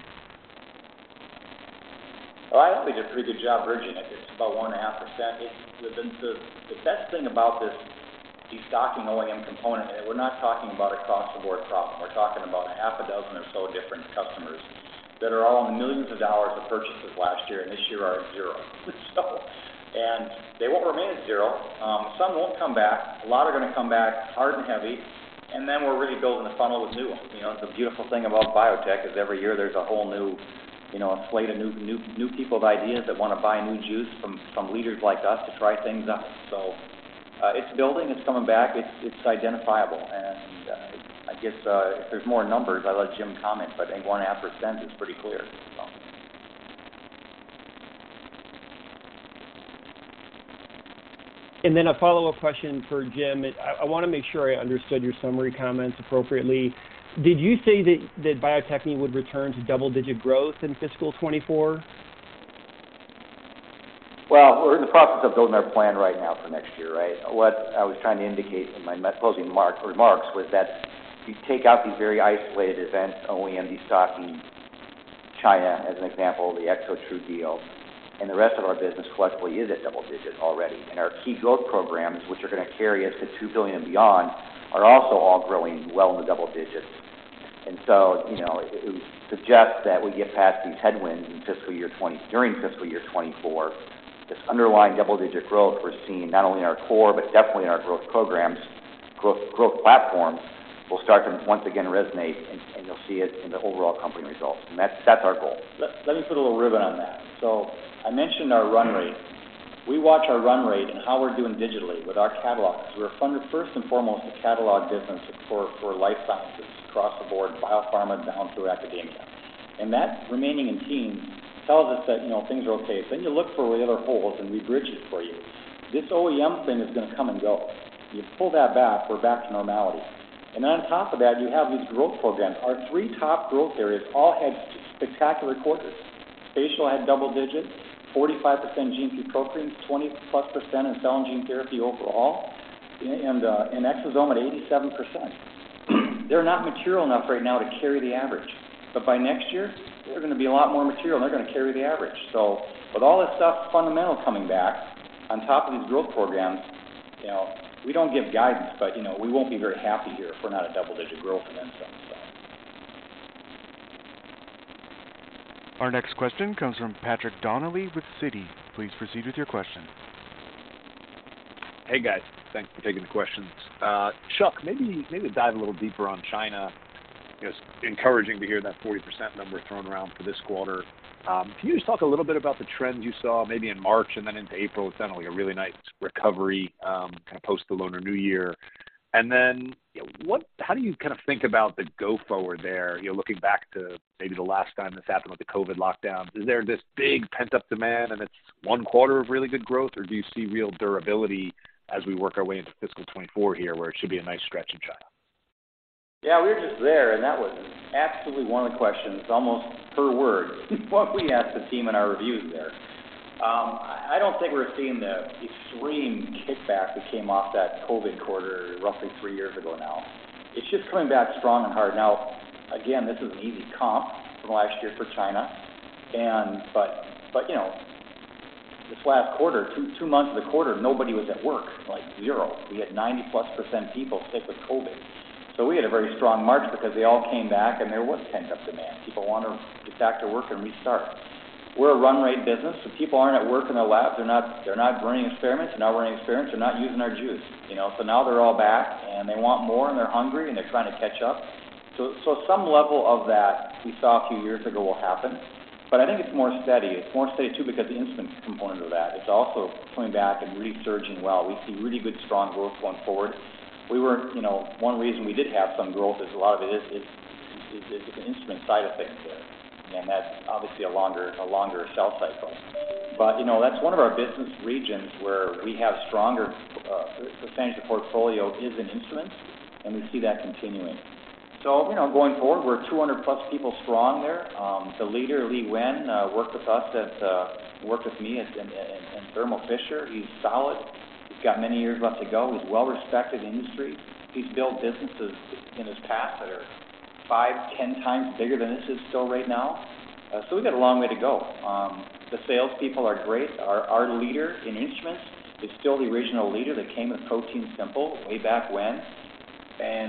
Well, I think we did a pretty good job bridging it. It's about 1.5%. The best thing about this destocking OEM component, we're not talking about across the board problem. We're talking about a half a dozen or so different customers that are all in the $ millions of purchases last year, and this year are at 0. They won't remain at 0. Some won't come back. A lot are gonna come back hard and heavy, and then we're really building a funnel with new ones. You know, it's a beautiful thing about biotech is every year there's a whole new, you know, a slate of new, new people with ideas that wanna buy new juice from leaders like us to try things out. It's building, it's coming back. It's, it's identifiable. I guess, if there's more numbers, I let Jim comment, but I think 1.5% is pretty clear. A follow-up question for Jim. I wanna make sure I understood your summary comments appropriately. Did you say that Bio-Techne would return to double-digit growth in Fiscal 2024? Well, we're in the process of building our plan right now for next year, right? What I was trying to indicate in my closing remarks was that if you take out these very isolated events, OEM destocking China, as an example, the ExoTRU deal, the rest of our business collectively is at double digit already. Our key growth programs, which are going to carry us to $2 billion and beyond, are also all growing well in the double digits. So, you know, it suggests that we get past these headwinds during fiscal year 2024. This underlying double-digit growth we're seeing not only in our core, but definitely in our growth programs, growth platforms, will start to once again resonate, and you'll see it in the overall company results. That's our goal. Let me put a little ribbon on that. I mentioned our run rate. We watch our run rate and how we're doing digitally with our catalog, because we're first and foremost a catalog business for life sciences across the board, biopharma down through academia. That remaining in team tells us that, you know, things are okay. You look for where the other holes and we bridge it for you. This OEM thing is gonna come and go. You pull that back, we're back to normality. On top of that, you have these growth programs. Our three top growth areas all had spectacular quarters. Spatial had double digits, 45% gene sequencing, 20%+ in cell and gene therapy overall, and in exosome at 87%. They're not material enough right now to carry the average. By next year, they're gonna be a lot more material, and they're gonna carry the average. With all that stuff fundamental coming back on top of these growth programs, you know, we don't give guidance, but, you know, we won't be very happy here if we're not at double-digit growth events then, so. Our next question comes from Patrick Donnelly with Citi. Please proceed with your question. Hey, guys. Thanks for taking the questions. Chuck, maybe dive a little deeper on China. It's encouraging to hear that 40% number thrown around for this quarter. Can you just talk a little bit about the trends you saw maybe in March and then into April with then only a really nice recovery, kinda post the Lunar New Year. You know, how do you kind of think about the go forward there, you know, looking back to maybe the last time this happened with the COVID lockdown? Is there this big pent-up demand and it's 1/4 of really good growth, or do you see real durability as we work our way into fiscal 2024 here, where it should be a nice stretch in China? Yeah, we were just there, and that was absolutely one of the questions, almost per word, what we asked the team in our reviews there. I don't think we're seeing the extreme kickback that came off that COVID quarter roughly three years ago now. It's just coming back strong and hard. Now, again, this is an easy comp from last year for China. you know, this last quarter, two months of the quarter, nobody was at work, like 0. We had 90%+ people sick with COVID. We had a very strong March because they all came back and there was pent-up demand. People wanna get back to work and restart. We're a run rate business, people aren't at work in their lab. They're not running experiments. They're not running experiments. They're not using our juice, you know? Now they're all back and they want more, and they're hungry, and they're trying to catch up. Some level of that we saw a few years ago will happen, but I think it's more steady. It's more steady, too, because the instruments component of that. It's also coming back and resurging well. We see really good, strong growth going forward. We were, you know, one reason we did have some growth is a lot of it is an instrument side of things there, and that's obviously a longer sales cycle. You know, that's one of our business regions where we have stronger percentage of portfolio is in instruments, and we see that continuing. You know, going forward, we're 200+ people strong there. The leader, Kim Kelderman, worked with me at Thermo Fisher. He's solid. He's got many years left to go. He's well-respected in the industry. He's built businesses in his past that are five, 10 times bigger than this is still right now. We've got a long way to go. The salespeople are great. Our leader in instruments is still the original leader that came with ProteinSimple way back when.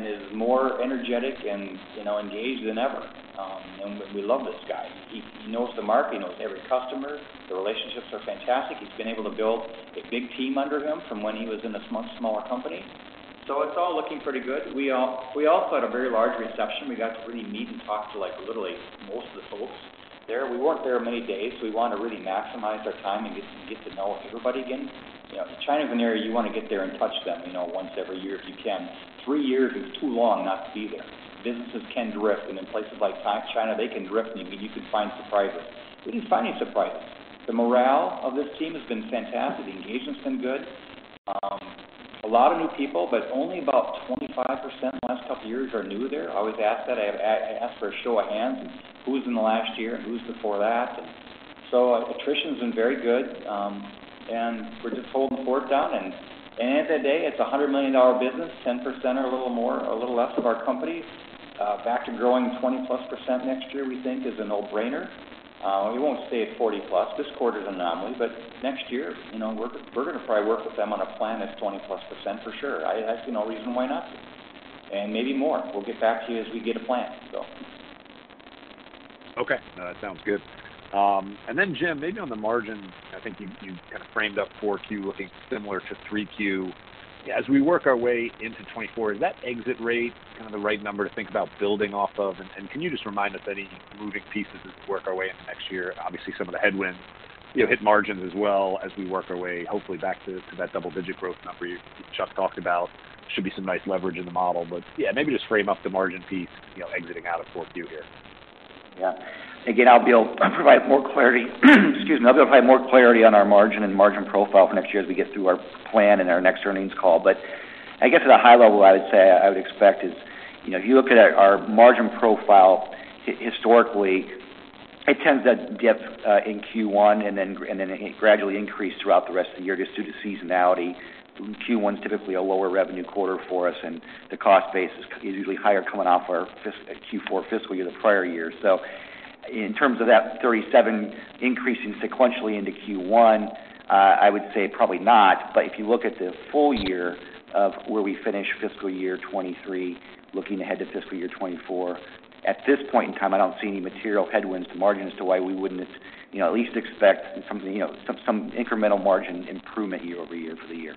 Is more energetic and, you know, engaged than ever. We love this guy. He knows the market, he knows every customer. The relationships are fantastic. He's been able to build a big team under him from when he was in a smaller company. It's all looking pretty good. We also had a very large reception. We got to really meet and talk to, like, literally most of the folks there. We weren't there many days, so we wanted to really maximize our time and get to know everybody again. You know, China is an area you wanna get there and touch them, you know, once every year if you can. Three years is too long not to be there. Businesses can drift, and in places like China, they can drift, and you can find surprises. We didn't find any surprises. The morale of this team has been fantastic. The engagement's been good. A lot of new people, only about 25% the last couple years are new there. I always ask that. I ask for a show of hands and who was in the last year and who's before that. Attrition's been very good, and we're just holding the fort down. At the day, it's a $100 million business, 10% or a little more or a little less of our company. Back to growing 20%+ percent next year, we think is a no-brainer. We won't say 40%+. This quarter's anomaly, but next year, you know, we're gonna probably work with them on a plan that's 20%+ percent for sure. I see no reason why not to, and maybe more. We'll get back to you as we get a plan. Okay. No, that sounds good. Jim, maybe on the margin, I think you kind of framed up Q4 looking similar to Q3. As we work our way into 2024, is that exit rate kind of the right number to think about building off of? Can you just remind us any moving pieces as we work our way into next year? Obviously, some of the headwinds, you know, hit margins as well as we work our way hopefully back to that double-digit growth number you, Chuck talked about. Should be some nice leverage in the model. Maybe just frame up the margin piece, you know, exiting out of Q4 here. Again, I'll be able to provide more clarity, excuse me, I'll be able to provide more clarity on our margin and margin profile for next year as we get through our plan in our next earnings call. I guess at a high level, I would say, I would expect is, you know, if you look at our margin profile historically, it tends to dip in Q1 and then gradually increase throughout the rest of the year just due to seasonality. Q1 is typically a lower revenue quarter for us, and the cost base is usually higher coming off our Q4 Fiscal year, the prior year. In terms of that 37% increasing sequentially into Q1, I would say probably not. If you look at the full year of where we finish fiscal year 2023, looking ahead to fiscal year 2024, at this point in time, I don't see any material headwinds to margin as to why we wouldn't, you know, at least expect some, you know, some incremental margin improvement year-over-year for the year.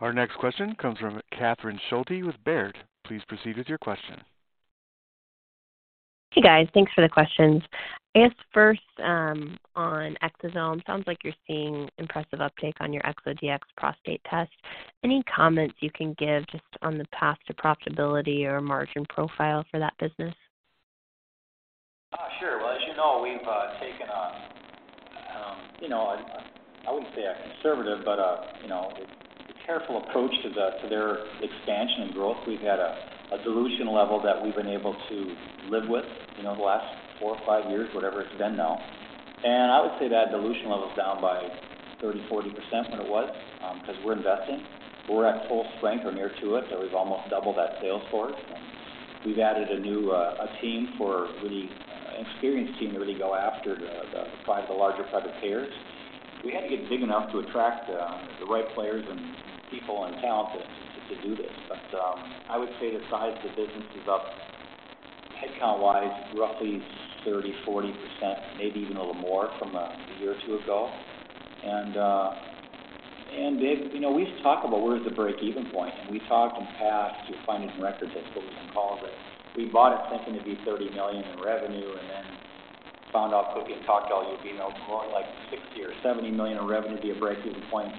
Our next question comes from Catherine Schulte with Baird. Please proceed with your question. Hey, guys. Thanks for the questions. I guess first, on exosome, sounds like you're seeing impressive uptake on your ExoDx prostate test. Any comments you can give just on the path to profitability or margin profile for that business? Sure. Well, as you know, we've taken a, you know, a I wouldn't say a conservative, but a, you know, a careful approach to their expansion and growth. We've had a dilution level that we've been able to live with, you know, the last four or five years, whatever it's been now. I would say that dilution level's down by 30%, 40% what it was, 'cause we're investing. We're at full strength or near to it, so we've almost doubled that sales force. We've added a new, a team for really, an experienced team to really go after the five, the larger private payers. We had to get big enough to attract the right players and people and talent to do this. I would say the size of the business is up headcount-wise, roughly 30%, 40%, maybe even a little more from a year or two ago. You know, we've talked about where is the break-even point, and we talked in past, you'll find it in records, I suppose, on calls, but we bought it thinking it'd be $30 million in revenue and then found out quickly and talked to all you know, more like $60 million or $70 million in revenue would be a break-even point.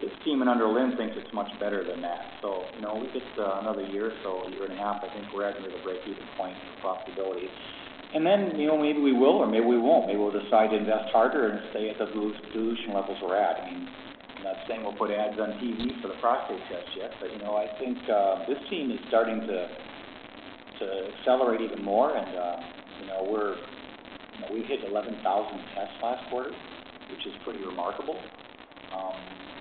This team and under Lynn thinks it's much better than that. You know, it's another year or so, 1.5 years, I think we're at into the break-even point in profitability. You know, maybe we will or maybe we won't. Maybe we'll decide to invest harder and stay at the dilution levels we're at. I mean, I'm not saying we'll put ads on TV for the prostate test yet. You know, I think this team is starting to accelerate even more and, you know, we're, you know, we hit 11,000 tests last quarter, which is pretty remarkable.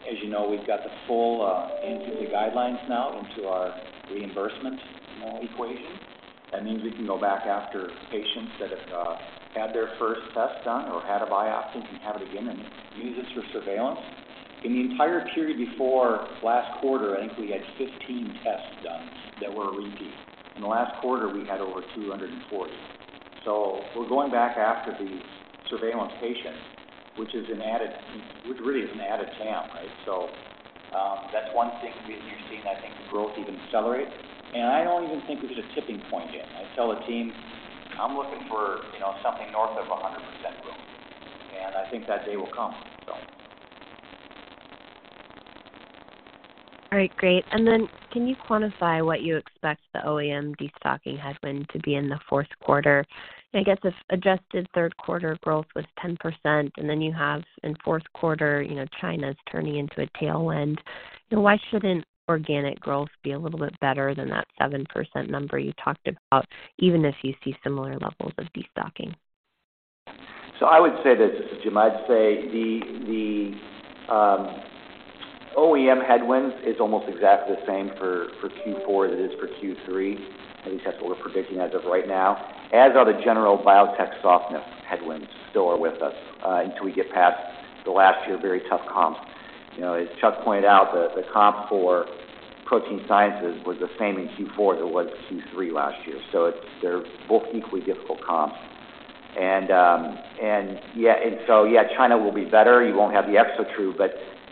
As you know, we've got the full NCCN guidelines now into our reimbursement equation. That means we can go back after patients that have had their first test done or had a biopsy and can have it again and use this for surveillance. In the entire period before last quarter, I think we had 15 tests done that were a repeat. In the last quarter, we had over 240. We're going back after the surveillance patients, which is an added, which really is an added TAM, right? That's one thing we've been seeing, I think, the growth even accelerate. I don't even think we hit a tipping point yet. I tell the team I'm looking for, you know, something north of 100% growth. I think that day will come, so. All right, great. Can you quantify what you expect the OEM destocking headwind to be in Q4? I guess if adjusted Q3 growth was 10%, you have in Q4, you know, China's turning into a tailwind, you know, why shouldn't organic growth be a little bit better than that 7% number you talked about, even if you see similar levels of destocking? I would say this is Jim. I'd say the OEM headwind is almost exactly the same for Q4 that it is for Q3. At least that's what we're predicting as of right now. As are the general biotech softness headwinds still are with us until we get past the last year, very tough comps. You know, as Chuck pointed out, the comp for Protein Sciences was the same in Q4 as it was Q3 last year. They're both equally difficult comps. Yeah, China will be better. You won't have the ExoTRU,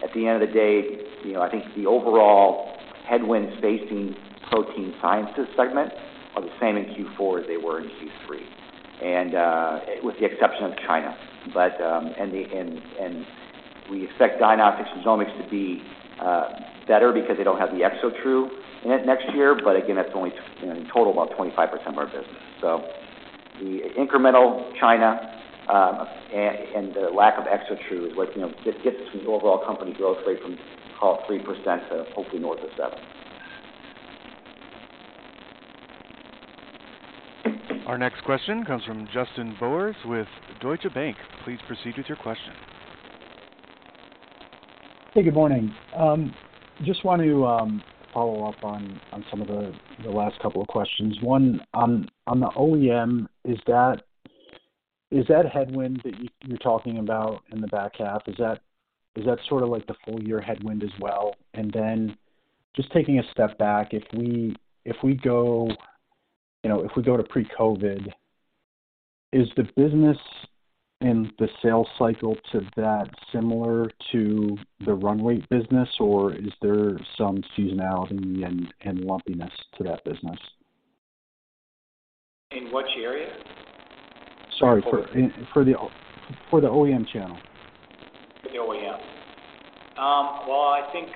at the end of the day, you know, I think the overall headwinds facing Protein Sciences segment are the same in Q4 as they were in Q3 with the exception of China. And we expect Diagnostics and Genomics to be better because they don't have the ExoTRU in it next year. Again, that's only, you know, in total about 25% of our business. The incremental China and the lack of ExoTRU, like, you know, gets the overall company growth rate from, call it 3% to hopefully north of seven. Our next question comes from Justin Bowers with Deutsche Bank. Please proceed with your question. Hey, good morning. Just wanted to follow up on some of the last couple of questions. One, on the OEM, is that headwind that you're talking about in the back half, is that sort of like the full year headwind as well? Then just taking a step back, if we go, you know, if we go to pre-COVID, is the business and the sales cycle to that similar to the runway business, or is there some seasonality and lumpiness to that business? In which area? Sorry, for the OEM channel. For the OEM. Well, I think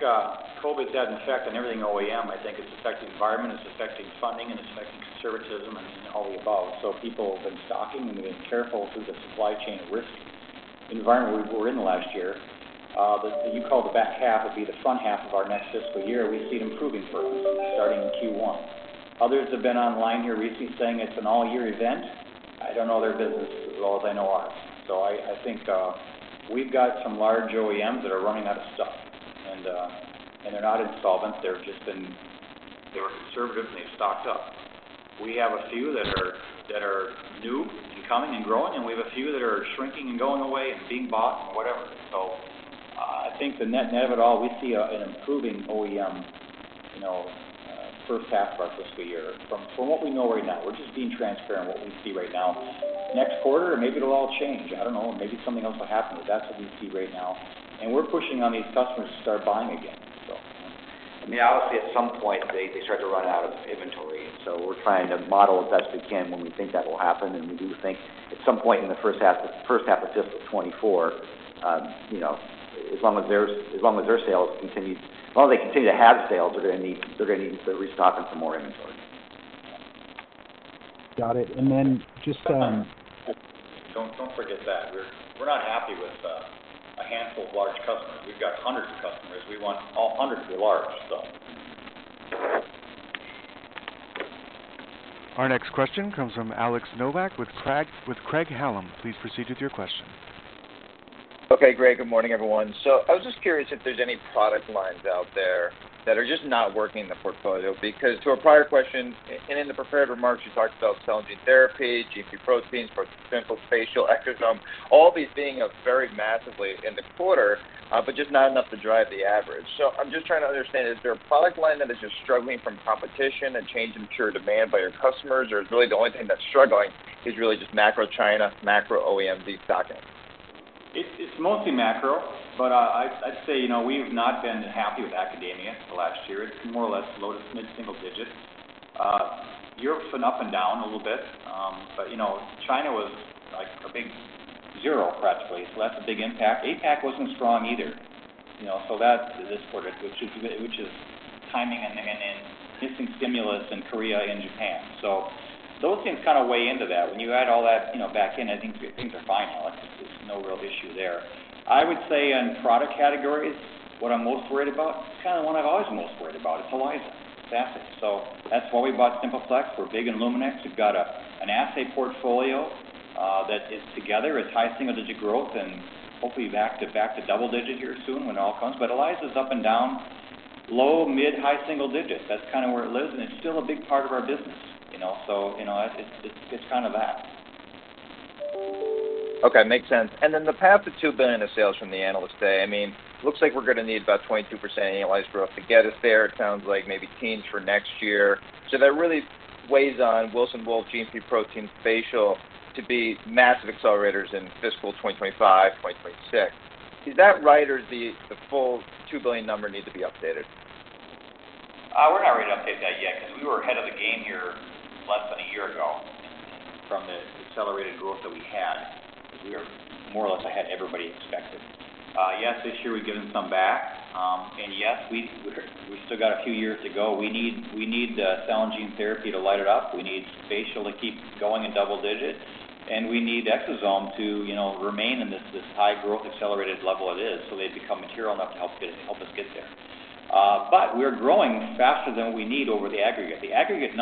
COVID's had an effect on everything OEM. I think it's affecting environment, it's affecting funding, and it's affecting conservatism, and all the above. People have been stocking and being careful through the supply chain risk environment we were in last year. The, what you call the back half would be the front half of our next fiscal year. We see it improving for us, starting in Q1. Others have been online here recently saying it's an all year event. I don't know their business as well as I know ours. I think we've got some large OEMs that are running out of stock. They're not insolvent, they were conservative, and they've stocked up. We have a few that are new and coming and growing, and we have a few that are shrinking and going away and being bought and whatever. I think the net of it all, we see an improving OEM, you know, first half of our fiscal year from what we know right now. We're just being transparent what we see right now. Next quarter, maybe it'll all change. I don't know. Maybe something else will happen. That's what we see right now. We're pushing on these customers to start buying again. I mean, obviously at some point they start to run out of inventory. We're trying to model as best we can when we think that will happen. We do think at some point in the first half, the first half of fiscal year 2024, you know, As long as they continue to have sales, they're gonna need to start restocking some more inventory. Got it. then just? Don't forget that. We're not happy with a handful of large customers. We've got hundreds of customers. We want all 100 to be large. Our next question comes from Alex Nowak with Craig-Hallum. Please proceed with your question. Okay, great. Good morning, everyone. I was just curious if there's any product lines out there that are just not working in the portfolio because to a prior question and in the prepared remarks, you talked about cell and gene therapy, GMP proteins, for simple spatial, exosome, all these being up very massively in the quarter, but just not enough to drive the average. I'm just trying to understand, is there a product line that is just struggling from competition and change in pure demand by your customers? Or is really the only thing that's struggling is really just macro China, macro OEM destocking? It's mostly macro, but, I'd say, you know, we've not been happy with academia for the last year. It's more or less low to mid-single digits. Europe's been up and down a little bit. But, you know, China was like a big zero, practically. That's a big impact. APAC wasn't strong either. You know, that's this quarter, which is timing and missing stimulus in Korea and Japan. Those things kind of weigh into that. When you add all that, you know, back in, I think things are fine, Alex. There's no real issue there. I would say in product categories, what I'm most worried about, it's kind of what I'm always most worried about. It's ELISA. It's assets. That's why we bought Simple Plex. We're big in Luminex. We've got an assay portfolio that is together. It's high single-digit growth, hopefully back to double digit here soon when it all comes. Ella's up and down, low, mid, high single digits. That's kind of where it lives, and it's still a big part of our business. You know? You know, it's kind of that. Okay. Makes sense. The path to $2 billion in sales from the Analyst Day, I mean, looks like we're gonna need about 22% annualize growth to get us there. It sounds like maybe teens for next year. That really weighs on Wilson Wolf, GMP protein, spatial to be massive accelerators in fiscal 2025, 2026. Is that right, or does the full $2 billion number need to be updated? We're not ready to update that yet because we were ahead of the game here less than a year ago from the accelerated growth that we had, because we are more or less ahead of everybody expected. Yes, this year we've given some back. Yes, we've still got a few years to go. We need, we need cell and gene therapy to light it up. We need spatial to keep going in double digits, and we need Exosome to, you know, remain in this high growth accelerated level it is, so they become material enough to help us get there. We're growing faster than we need over the aggregate. The aggregate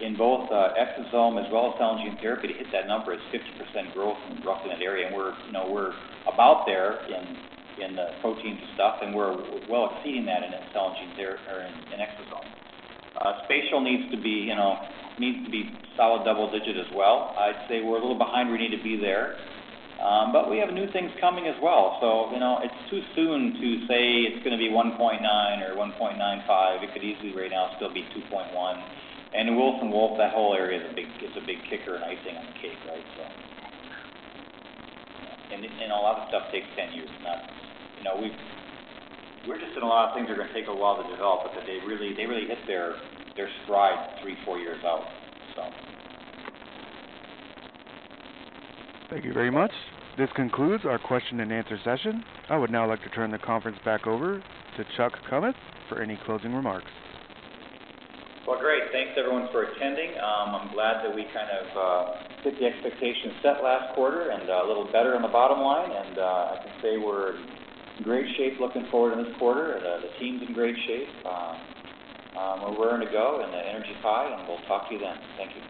number in both Exosome as well as cell and gene therapy to hit that number is 50% growth in roughly that area. We're, you know, we're about there in the proteins and stuff, and we're well exceeding that in the cell and gene or in exosome. Spatial needs to be, you know, needs to be solid double-digit as well. I'd say we're a little behind where we need to be there. But we have new things coming as well. You know, it's too soon to say it's going to be 1.9 or 1.95. It could easily right now still be 2.1. Wilson Wolf, that whole area is a big, is a big kicker, icing on the cake, right? You know, and a lot of this stuff takes 10 years. That's, you know, we're just in a lot of things are gonna take a while to develop, but that they really hit their stride three, four years out, so. Thank you very much. This concludes our Q&A session. I would now like to turn the conference back over to Chuck Kummeth for any closing remarks. Well, great. Thanks everyone for attending. I'm glad that we kind of hit the expectations set last quarter and a little better on the bottom line. I can say we're in great shape looking forward in this quarter. The team's in great shape. We're raring to go, and the energy's high, and we'll talk to you then. Thank you.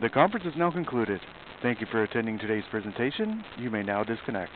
The conference is now concluded. Thank you for attending today's presentation. You may now disconnect.